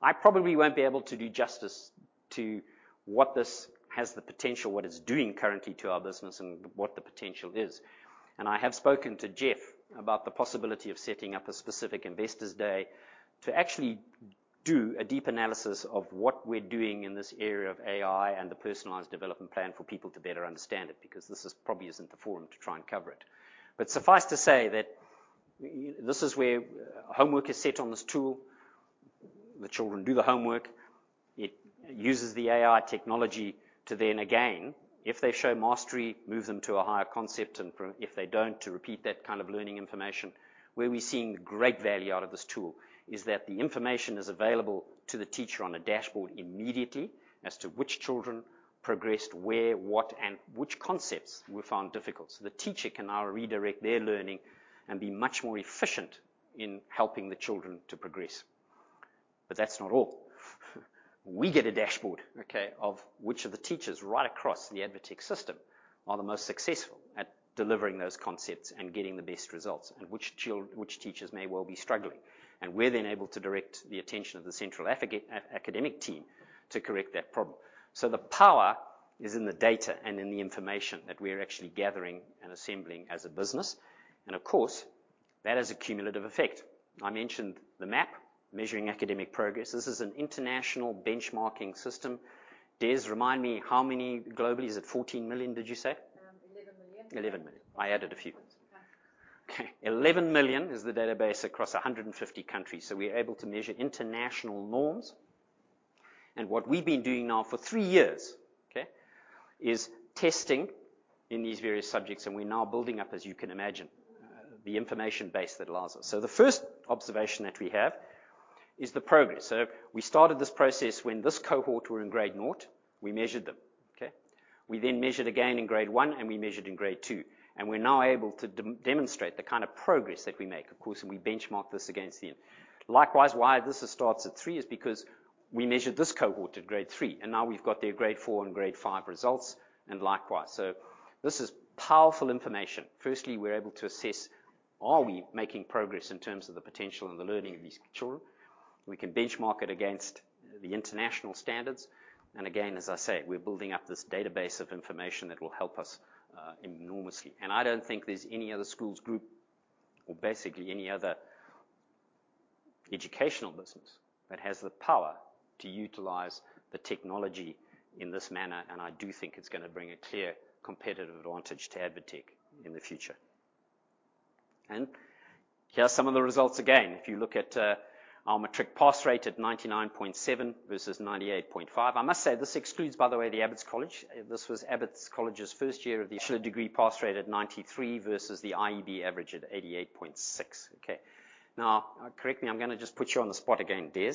I probably won't be able to do justice to what this has the potential, what it's doing currently to our business and what the potential is. I have spoken to Geoff about the possibility of setting up a specific investors day to actually do a deep analysis of what we're doing in this area of AI and the personalized development plan for people to better understand it, because this probably isn't the forum to try and cover it. Suffice to say that this is where homework is set on this tool. The children do the homework. It uses the AI technology to then, again, if they show mastery, move them to a higher concept, and if they don't, to repeat that kind of learning information. Where we're seeing great value out of this tool is that the information is available to the teacher on a dashboard immediately as to which children progressed where, what, and which concepts were found difficult. The teacher can now redirect their learning and be much more efficient in helping the children to progress. That's not all. We get a dashboard, okay, of which of the teachers right across the ADvTECH system are the most successful at delivering those concepts and getting the best results, and which teachers may well be struggling. We're then able to direct the attention of the central academic team to correct that problem. The power is in the data and in the information that we're actually gathering and assembling as a business. Of course, that has a cumulative effect. I mentioned the MAP, Measures of Academic Progress. This is an international benchmarking system. Des, remind me how many globally? Is it 14 million, did you say? 11 million. 11 million. I added a few. Okay. 11 million is the database across 150 countries. We're able to measure international norms. What we've been doing now for three years, okay, is testing in these various subjects, and we're now building up, as you can imagine, the information base that allows us. The first observation that we have is the progress. We started this process when this cohort were in grade zero. We measured them, okay. We then measured again in grade one, and we measured in grade two. We're now able to demonstrate the kind of progress that we make. Of course, we benchmark this against them. Likewise, why this starts at three is because we measured this cohort at grade three, and now we've got their grade four and grade five results, and likewise. This is powerful information. Firstly, we're able to assess, are we making progress in terms of the potential and the learning of these children? We can benchmark it against the international standards. Again, as I say, we're building up this database of information that will help us enormously. I don't think there's any other schools group or basically any other educational business that has the power to utilize the technology in this manner. I do think it's gonna bring a clear competitive advantage to ADvTECH in the future. Here are some of the results again. If you look at our matric pass rate at 99.7% versus 98.5%. I must say this excludes, by the way, the Abbotts College. This was Abbotts College's first year of the Schiller degree pass rate at 93% versus the IEB average at 88.6%. Okay. Now, correct me, I'm gonna just put you on the spot again, Des.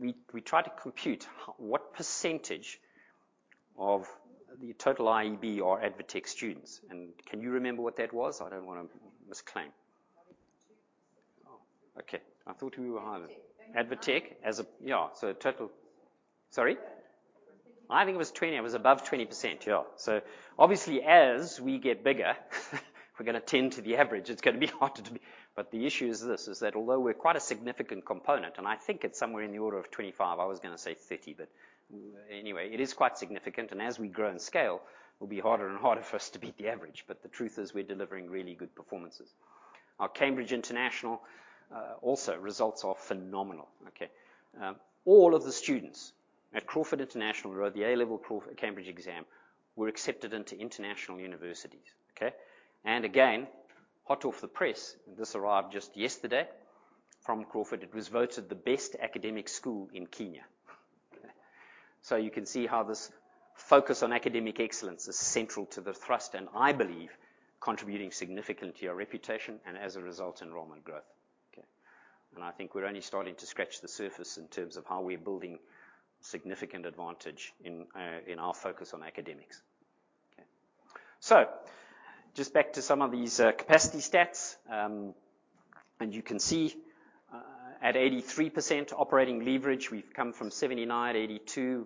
We tried to compute what percentage of the total IEB are ADvTECH students. Can you remember what that was? I don't wanna misclaim. Oh, okay. I thought we were higher. ADvTECH. ADvTECH as a... Yeah. Total... Sorry? I think it was 20%. It was above 20%. Yeah. Obviously, as we get bigger, we're gonna tend to the average. It's gonna be harder to be... The issue is that although we're quite a significant component, and I think it's somewhere in the order of 25%, I was gonna say 30%. Anyway, it is quite significant. As we grow in scale, it will be harder and harder for us to beat the average. The truth is we're delivering really good performances. Our Cambridge International results also are phenomenal. Okay. All of the students at Crawford International who wrote the A-level Cambridge exam were accepted into international universities. Okay? Again, hot off the press, this arrived just yesterday from Crawford. It was voted the best academic school in Kenya. You can see how this focus on academic excellence is central to the thrust and I believe contributing significantly to our reputation and as a result, enrollment growth. Okay. I think we're only starting to scratch the surface in terms of how we're building significant advantage in our focus on academics. Okay. Just back to some of these capacity stats. You can see at 83% operating leverage. We've come from 79%, 82%.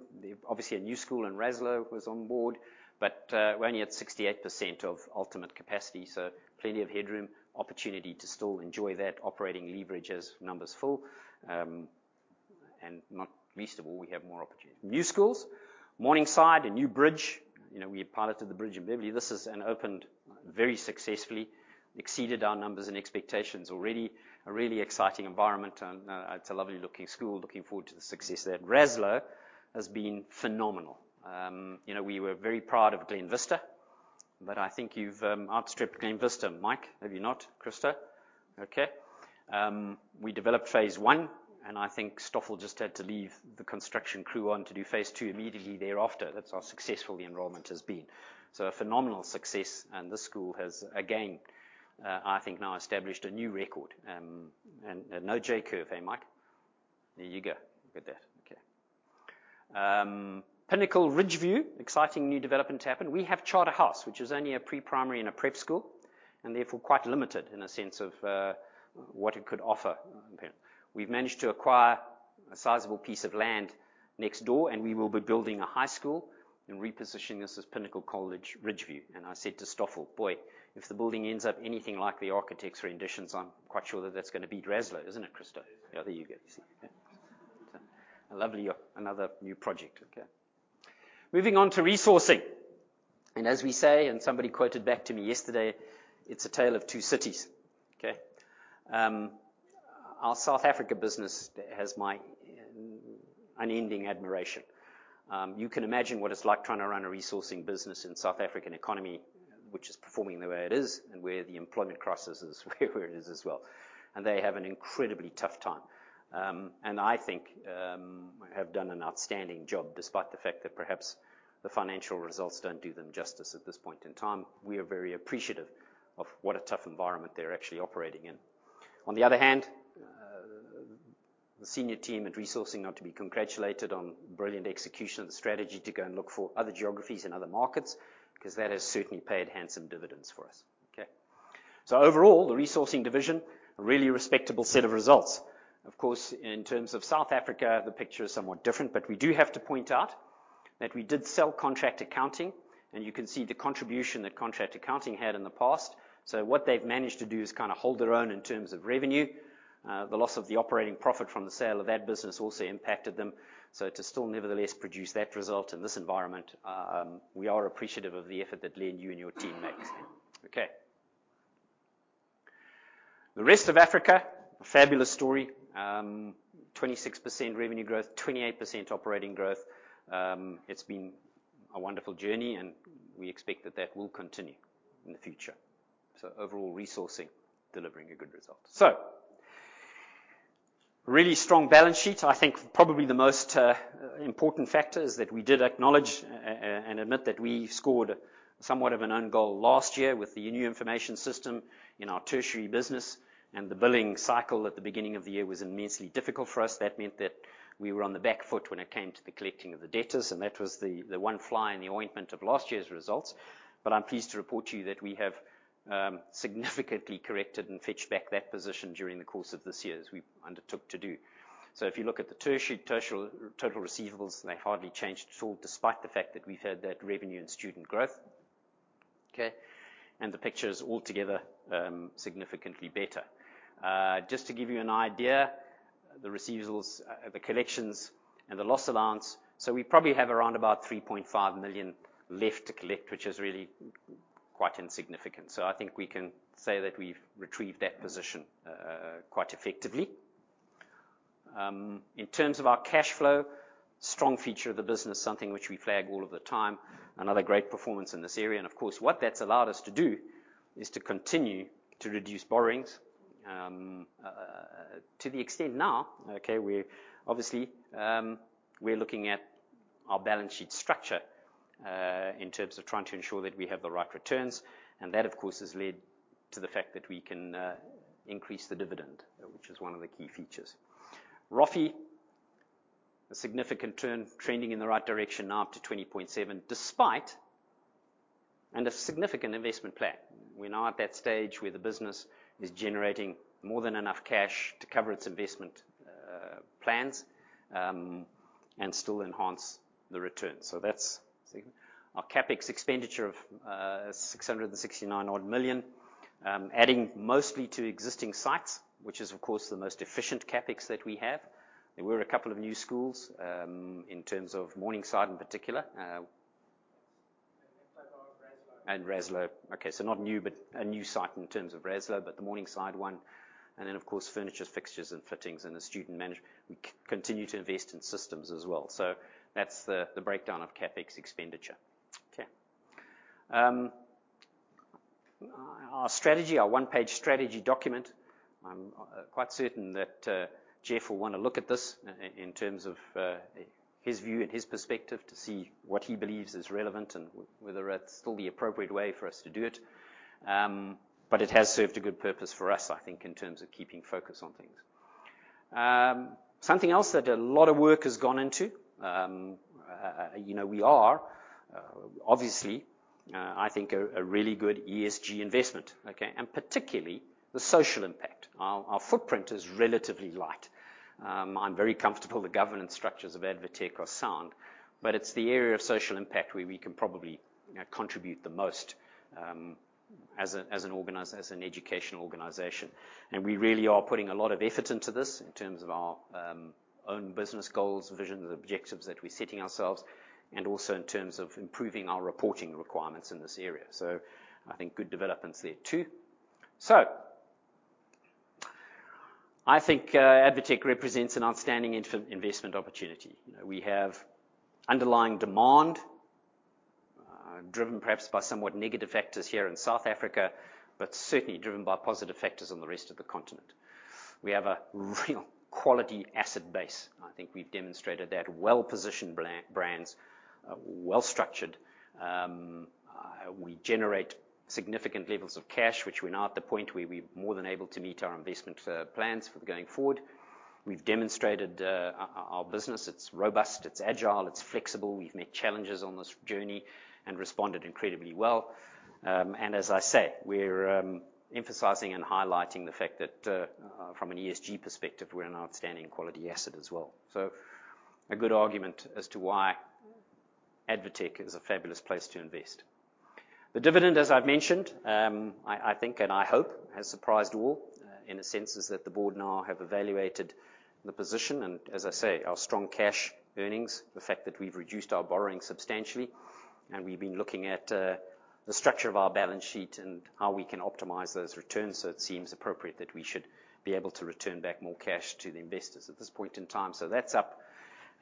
Obviously, a new school in Raslouw was on board, but we're only at 68% of ultimate capacity, so plenty of headroom, opportunity to still enjoy that operating leverage as numbers fill. Not least of all, we have more opportunities. New schools, Morningside and New Bridge. You know, we piloted the Bridge in Beverley. This has opened very successfully, exceeded our numbers and expectations already. A really exciting environment, and it's a lovely-looking school. Looking forward to the success there. Raslouw has been phenomenal. You know, we were very proud of Glen Vista, but I think you've outstripped Glen Vista. Mike, have you not? Christo? Okay. We developed phase 1, and I think Stoffel just had to leave the construction crew on to do phase 2 immediately thereafter. That's how successful the enrollment has been. A phenomenal success. This school has, again, I think now established a new record. No J curve, hey, Mike? There you go. Look at that. Okay. Pinnacle College Ridgeview, exciting new development happened. We have Charterhouse, which is only a pre-primary and a prep school, and therefore quite limited in a sense of what it could offer. We've managed to acquire a sizable piece of land next door, and we will be building a high school and repositioning this as Pinnacle College Ridgeview. I said to Stoffel, "Boy, if the building ends up anything like the architect's renditions, I'm quite sure that that's gonna beat Raslouw," isn't it, Christo? It is. There you go. You see. Another new project. Okay. Moving on to resourcing. As we say, somebody quoted back to me yesterday, it's a tale of two cities. Okay. Our South African business has my unending admiration. You can imagine what it's like trying to run a resourcing business in the South African economy, which is performing the way it is and where the employment crisis is, where it is as well. They have an incredibly tough time. I think they have done an outstanding job despite the fact that perhaps the financial results don't do them justice at this point in time. We are very appreciative of what a tough environment they're actually operating in. On the other hand, the senior team at resourcing are to be congratulated on brilliant execution of the strategy to go and look for other geographies and other markets, 'cause that has certainly paid handsome dividends for us. Okay. Overall, the resourcing division, a really respectable set of results. Of course, in terms of South Africa, the picture is somewhat different. We do have to point out that we did sell contract accounting, and you can see the contribution that contract accounting had in the past. What they've managed to do is kinda hold their own in terms of revenue. The loss of the operating profit from the sale of that business also impacted them. To still nevertheless produce that result in this environment, we are appreciative of the effort that, Lynn, you and your team make. Okay. The rest of Africa, a fabulous story. 26% revenue growth, 28% operating growth. It's been a wonderful journey, and we expect that will continue in the future. Overall resourcing, delivering a good result. Really strong balance sheet. I think probably the most important factor is that we did acknowledge and admit that we scored somewhat of an own goal last year with the new information system in our tertiary business, and the billing cycle at the beginning of the year was immensely difficult for us. That meant that we were on the back foot when it came to the collecting of the debtors, and that was the one fly in the ointment of last year's results. I'm pleased to report to you that we have significantly corrected and fetched back that position during the course of this year as we undertook to do. If you look at the tertiary total receivables, they hardly changed at all despite the fact that we've had that revenue and student growth. Okay? The picture is altogether significantly better. Just to give you an idea, the receivables, the collections and the loss allowance. We probably have around about 3.5 million left to collect, which is really quite insignificant. I think we can say that we've retrieved that position quite effectively. In terms of our cash flow, strong feature of the business, something which we flag all of the time. Another great performance in this area. Of course, what that's allowed us to do is to continue to reduce borrowings to the extent now. We're obviously looking at our balance sheet structure in terms of trying to ensure that we have the right returns. That, of course, has led to the fact that we can increase the dividend, which is one of the key features. ROIC, a significant turn, trending in the right direction now up to 20.7%, despite and a significant investment plan. We're now at that stage where the business is generating more than enough cash to cover its investment plans and still enhance the returns. Our CapEx expenditure of 669 odd million, adding mostly to existing sites, which is of course the most efficient CapEx that we have. There were a couple of new schools in terms of Morningside in particular, and then Kyalami and Raslouw. Not new, but a new site in terms of Raslouw, but the Morningside one. Of course, furniture, fixtures and fittings. We continue to invest in systems as well. That's the breakdown of CapEx expenditure. Our strategy, our one-page strategy document, I'm quite certain that Geoff will wanna look at this in terms of his view and his perspective to see what he believes is relevant and whether that's still the appropriate way for us to do it. It has served a good purpose for us, I think, in terms of keeping focus on things. Something else that a lot of work has gone into, you know, we are obviously, I think a really good ESG investment, okay? Particularly the social impact. Our footprint is relatively light. I'm very comfortable the governance structures of ADvTECH are sound, but it's the area of social impact where we can probably, you know, contribute the most, as an organizer, as an educational organization. We really are putting a lot of effort into this in terms of our own business goals, visions, and objectives that we're setting ourselves, and also in terms of improving our reporting requirements in this area. I think good developments there too. I think ADvTECH represents an outstanding investment opportunity. You know, we have underlying demand, driven perhaps by somewhat negative factors here in South Africa, but certainly driven by positive factors in the rest of the continent. We have a real quality asset base. I think we've demonstrated that. Well-positioned brands, well-structured. We generate significant levels of cash, which we're now at the point where we're more than able to meet our investment plans for the going forward. We've demonstrated our business. It's robust, it's agile, it's flexible. We've met challenges on this journey and responded incredibly well. We're emphasizing and highlighting the fact that from an ESG perspective, we're an outstanding quality asset as well. A good argument as to why ADvTECH is a fabulous place to invest. The dividend, as I've mentioned, I think and I hope has surprised all, in a sense, is that the board now have evaluated the position, and as I say, our strong cash earnings, the fact that we've reduced our borrowing substantially. We've been looking at the structure of our balance sheet and how we can optimize those returns. It seems appropriate that we should be able to return back more cash to the investors at this point in time. That's up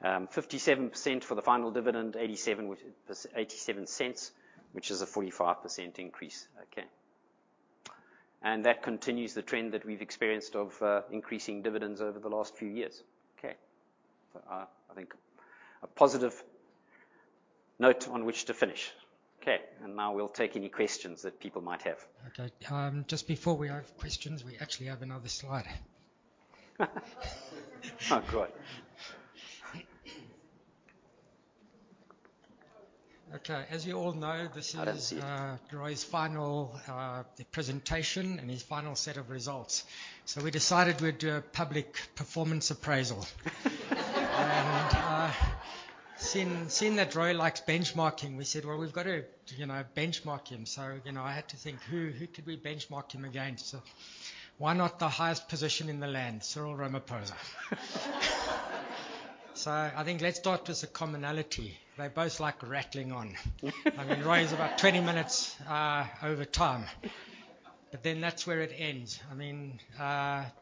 57% for the final dividend, 0.87, which is a 45% increase. Okay. That continues the trend that we've experienced of increasing dividends over the last few years. Okay. I think a positive note on which to finish. Okay. Now we'll take any questions that people might have. Okay. Just before we have questions, we actually have another slide. Oh, God. Okay. As you all know, That's it. Roy's final presentation and his final set of results. We decided we'd do a public performance appraisal. Seeing that Roy likes benchmarking, we said, "Well, we've got to, you know, benchmark him." You know, I had to think who could we benchmark him against? Why not the highest position in the land, Cyril Ramaphosa? I think let's start with the commonality. They both like rattling on. I mean, Roy is about 20 minutes over time. That's where it ends. I mean,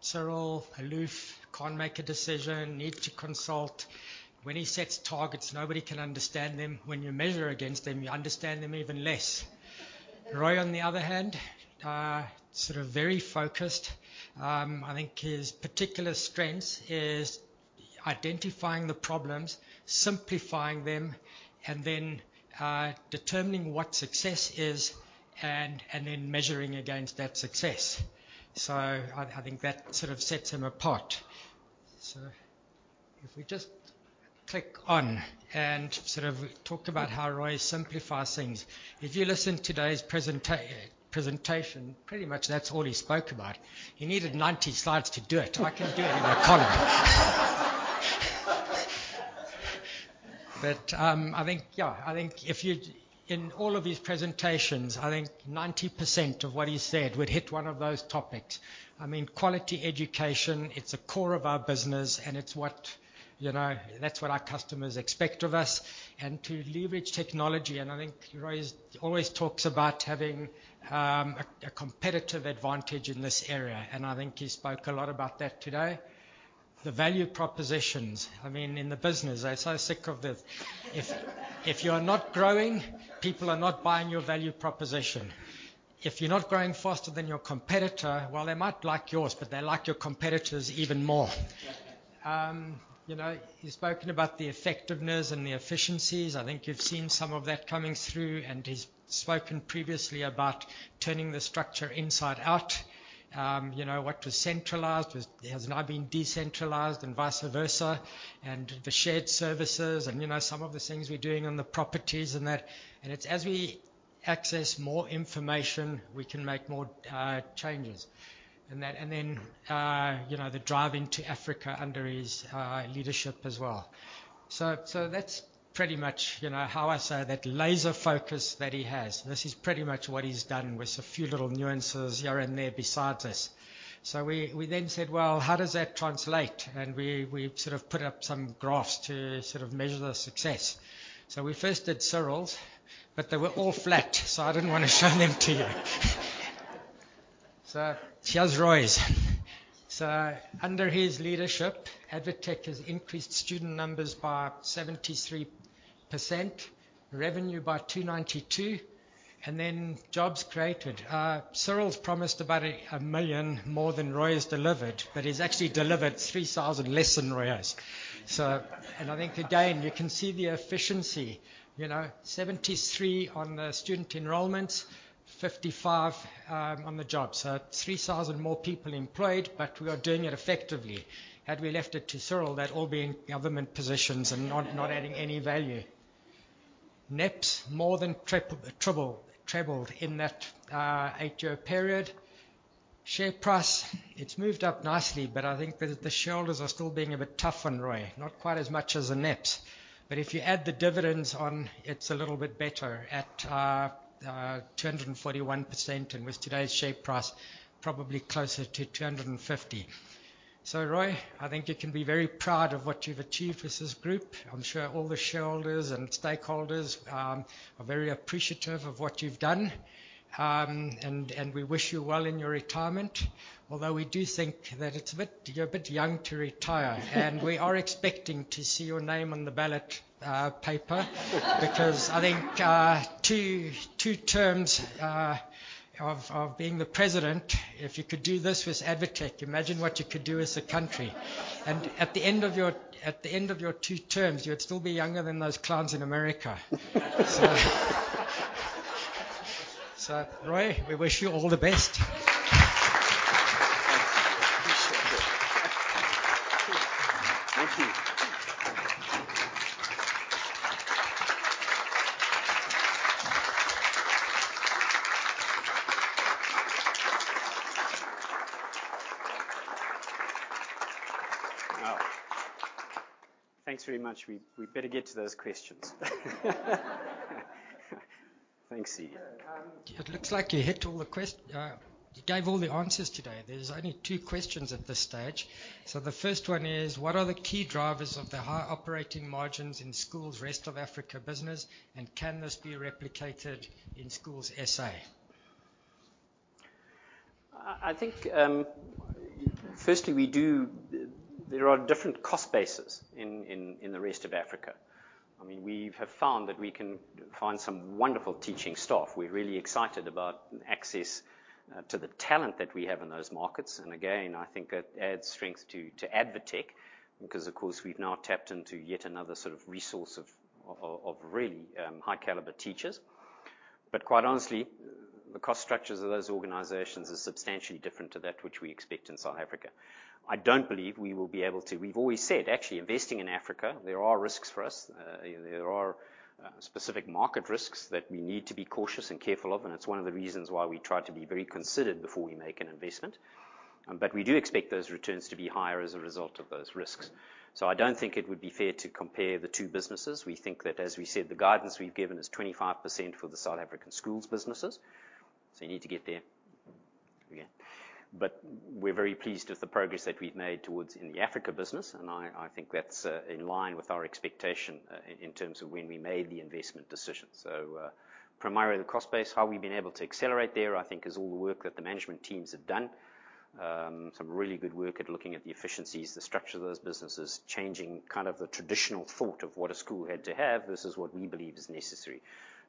Cyril, aloof, can't make a decision, needs to consult. When he sets targets, nobody can understand them. When you measure against them, you understand them even less. Roy, on the other hand, sort of very focused. I think his particular strengths is identifying the problems, simplifying them, and then determining what success is and then measuring against that success. I think that sort of sets him apart. If we just click on and sort of talk about how Roy simplifies things. If you listen to today's presentation, pretty much that's all he spoke about. He needed 90 slides to do it. I can do it in a column. I think, yeah, I think in all of his presentations, I think 90% of what he said would hit one of those topics. I mean, quality education, it's a core of our business, and it's what, you know, that's what our customers expect of us. To leverage technology, I think Roy is always talks about having a competitive advantage in this area, and I think he spoke a lot about that today. The value propositions, I mean, in the business, they're so sick of this. If you're not growing, people are not buying your value proposition. If you're not growing faster than your competitor, well, they might like yours, but they like your competitor's even more. You know, he's spoken about the effectiveness and the efficiencies. I think you've seen some of that coming through, and he's spoken previously about turning the structure inside out. You know, what was centralized is has now been decentralized and vice versa. The shared services and, you know, some of the things we're doing on the properties and that. It's as we access more information, we can make more changes. You know, the drive into Africa under his leadership as well. That's pretty much, you know, how I say that laser focus that he has. This is pretty much what he's done with a few little nuances here and there besides this. We then said, "Well, how does that translate?" We sort of put up some graphs to sort of measure the success. We first did Cyril's, but they were all flat, so I didn't wanna show them to you. Here's Roy's. Under his leadership, ADvTECH has increased student numbers by 73%, revenue by 292%, and then jobs created. Cyril's promised about 1 million more than Roy has delivered, but he's actually delivered 3,000 less than Roy has. I think again, you can see the efficiency. You know, 73 on the student enrollments, 55 on the jobs. Three thousand more people employed, but we are doing it effectively. Had we left it to Cyril, they'd all be in government positions and not adding any value. HEPS more than trebled in that 8-year period. Share price, it's moved up nicely, but I think the shareholders are still being a bit tough on Roy. Not quite as much as the HEPS. If you add the dividends on, it's a little bit better at 241% and with today's share price, probably closer to 250%. Roy, I think you can be very proud of what you've achieved with this group. I'm sure all the shareholders and stakeholders are very appreciative of what you've done. We wish you well in your retirement. Although we do think that it's a bit, you're a bit young to retire. We are expecting to see your name on the ballot paper. Because I think two terms of being the president, if you could do this with ADvTECH, imagine what you could do with the country. At the end of your two terms, you'll still be younger than those clowns in America. Roy, we wish you all the best. Thank you. Appreciate it. Thank you. Well, thanks very much. We better get to those questions. Thanks, Didier. It looks like you gave all the answers today. There's only two questions at this stage. The first one is: What are the key drivers of the high operating margins in Schools' Rest of Africa business, and can this be replicated in Schools SA? I think, there are different cost bases in the rest of Africa. I mean, we've found that we can find some wonderful teaching staff. We're really excited about access to the talent that we have in those markets. Again, I think it adds strength to ADvTECH because, of course, we've now tapped into yet another sort of resource of really high caliber teachers. Quite honestly, the cost structures of those organizations is substantially different to that which we expect in South Africa. I don't believe we will be able to. We've always said, actually, investing in Africa, there are risks for us. There are specific market risks that we need to be cautious and careful of, and it's one of the reasons why we try to be very considered before we make an investment. We do expect those returns to be higher as a result of those risks. I don't think it would be fair to compare the two businesses. We think that, as we said, the guidance we've given is 25% for the South African Schools businesses. You need to get there. We're very pleased with the progress that we've made towards in the Africa business, and I think that's in line with our expectation in terms of when we made the investment decision. Primarily the cost base, how we've been able to accelerate there, I think is all the work that the management teams have done. Some really good work at looking at the efficiencies, the structure of those businesses, changing kind of the traditional thought of what a school had to have versus what we believe is necessary.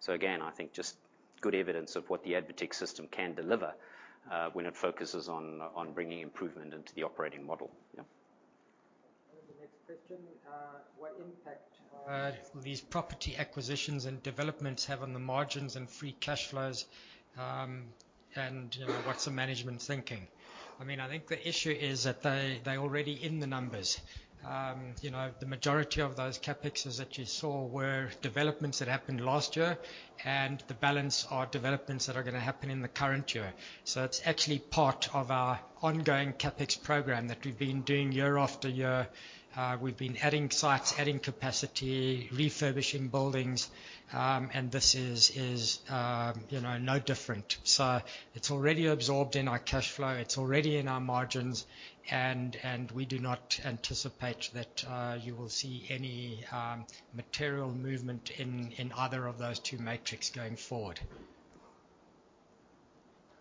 Again, I think just good evidence of what the ADvTECH system can deliver, when it focuses on bringing improvement into the operating model. The next question, what impact these property acquisitions and developments have on the margins and free cash flows, and, you know, what's the management thinking? I mean, I think the issue is that they already in the numbers. You know, the majority of those CapExes that you saw were developments that happened last year, and the balance are developments that are gonna happen in the current year. It's actually part of our ongoing CapEx program that we've been doing year after year. We've been adding sites, adding capacity, refurbishing buildings, and this is, you know, no different. It's already absorbed in our cash flow. It's already in our margins, and we do not anticipate that you will see any material movement in either of those two metrics going forward.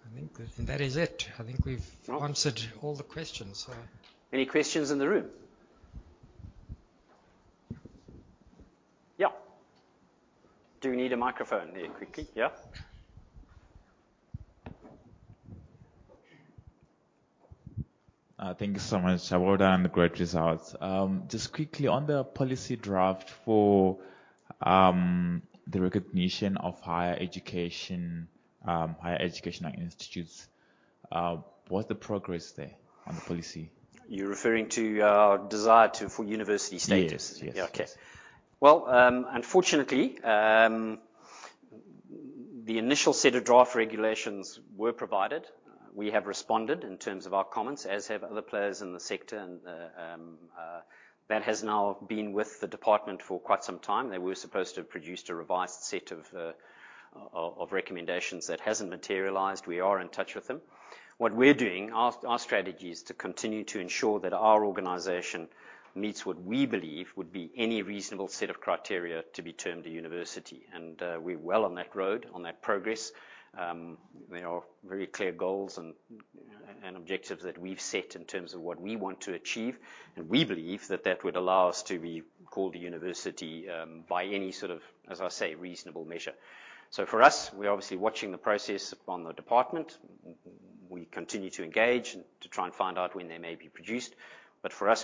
I think that is it. I think we've answered all the questions, so. Any questions in the room? Yeah. Do you need a microphone? Here, quickly. Yeah. Thank you so much. Well done. Great results. Just quickly on the policy draft for the recognition of higher education, higher educational institutes, what's the progress there on the policy? You're referring to our desire to, for university status? Yes. Yes. Yeah. Okay. Well, unfortunately, the initial set of draft regulations were provided. We have responded in terms of our comments, as have other players in the sector and that has now been with the department for quite some time. They were supposed to have produced a revised set of recommendations that hasn't materialized. We are in touch with them. What we're doing, our strategy is to continue to ensure that our organization meets what we believe would be any reasonable set of criteria to be termed a university. We're well on that road on that progress. There are very clear goals and objectives that we've set in terms of what we want to achieve, and we believe that would allow us to be called a university by any sort of, as I say, reasonable measure. For us, we're obviously watching the process on the department. We continue to engage to try and find out when they may be produced.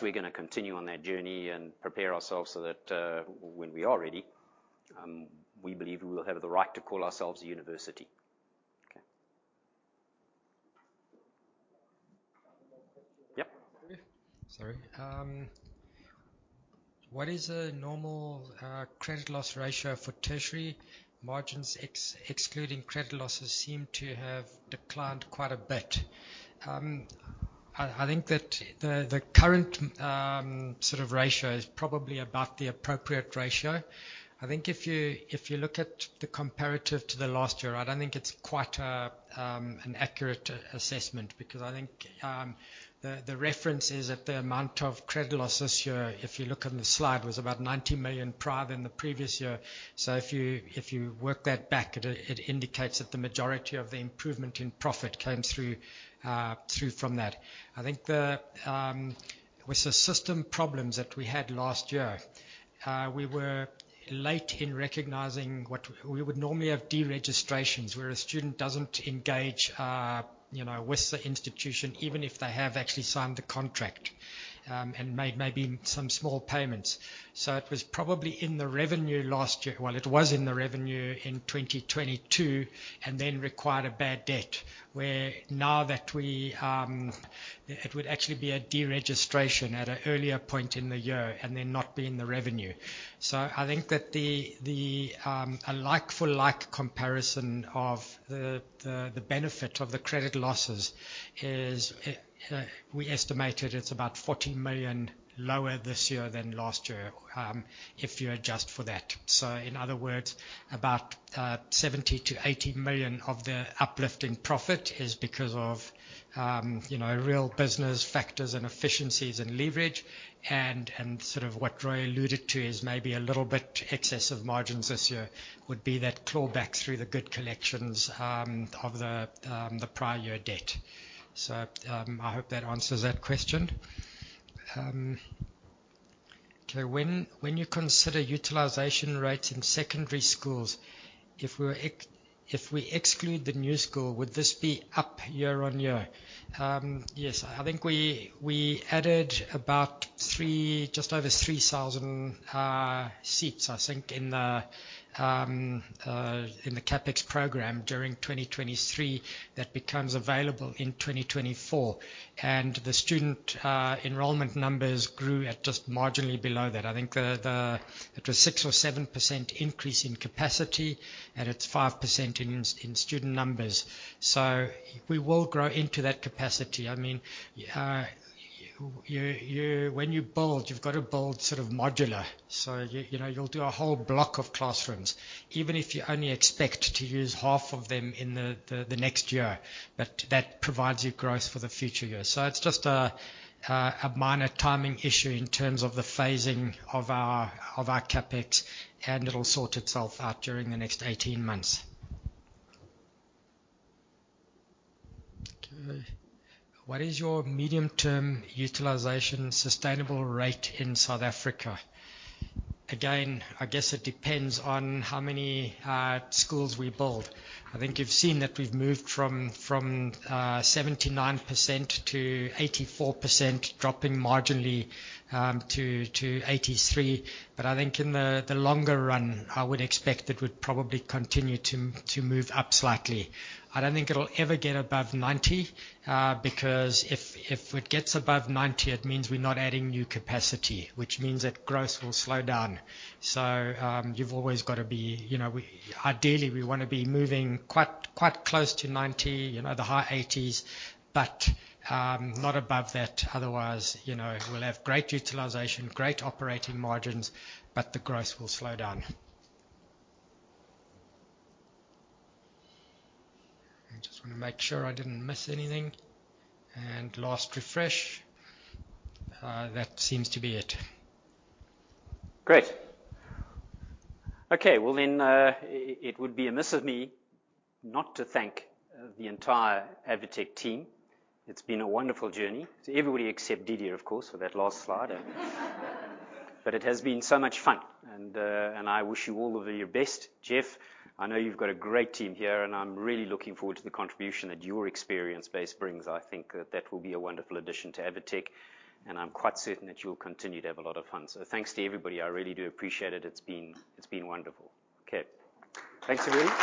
We're gonna continue on that journey and prepare ourselves so that when we are ready, we believe we will have the right to call ourselves a university. Okay. One more question. Yeah. Sorry. What is a normal credit loss ratio for tertiary margins? Excluding credit losses seem to have declined quite a bit. I think that the current sort of ratio is probably about the appropriate ratio. I think if you look at the comparative to the last year, I don't think it's quite an accurate assessment because I think the reference is that the amount of credit losses here, if you look on the slide, was about 90 million prior than the previous year. If you work that back, it indicates that the majority of the improvement in profit came through from that. I think with the system problems that we had last year, we were late in recognizing what. We would normally have deregistrations where a student doesn't engage, you know, with the institution even if they have actually signed the contract, and made maybe some small payments. It was probably in the revenue last year. It was in the revenue in 2022, and then required a bad debt. It would actually be a deregistration at an earlier point in the year and then not be in the revenue. I think that a like-for-like comparison of the benefit of the credit losses is, we estimated it's about 40 million lower this year than last year, if you adjust for that. In other words, about 70 million-80 million of the uplift in profit is because of you know, real business factors and efficiencies and leverage and sort of what Roy alluded to is maybe a little bit excessive margins this year would be that clawback through the good collections of the prior year debt. I hope that answers that question. Okay. When you consider utilization rates in secondary schools, if we exclude the new school, would this be up year on year? Yes. I think we added about just over 3,000 seats, I think, in the CapEx program during 2023 that becomes available in 2024. The student enrollment numbers grew at just marginally below that. I think the... It was 6%-7% increase in capacity, and it's 5% in student numbers. We will grow into that capacity. I mean, when you build, you've got to build sort of modular. You know, you'll do a whole block of classrooms, even if you only expect to use half of them in the next year. That provides you growth for the future years. It's just a minor timing issue in terms of the phasing of our CapEx, and it'll sort itself out during the next 18 months. Okay. What is your medium-term utilization sustainable rate in South Africa? Again, I guess it depends on how many schools we build. I think you've seen that we've moved from 79%-84%, dropping marginally to 83%. I think in the longer run, I would expect it would probably continue to move up slightly. I don't think it'll ever get above 90%, because if it gets above 90%, it means we're not adding new capacity, which means that growth will slow down. You've always got to be you know, ideally we wanna be moving quite close to 90%, you know, the high 80s%, but not above that. Otherwise, you know, we'll have great utilization, great operating margins, but the growth will slow down. I just wanna make sure I didn't miss anything. Last refresh. That seems to be it. Great. Okay. Well then, it would be amiss of me not to thank the entire ADvTECH team. It's been a wonderful journey. Everybody except Didier, of course, for that last slide. It has been so much fun. I wish you all the best. Geoff, I know you've got a great team here, and I'm really looking forward to the contribution that your experience base brings. I think that will be a wonderful addition to ADvTECH, and I'm quite certain that you'll continue to have a lot of fun. Thanks to everybody. I really do appreciate it. It's been wonderful. Okay. Thanks, everybody.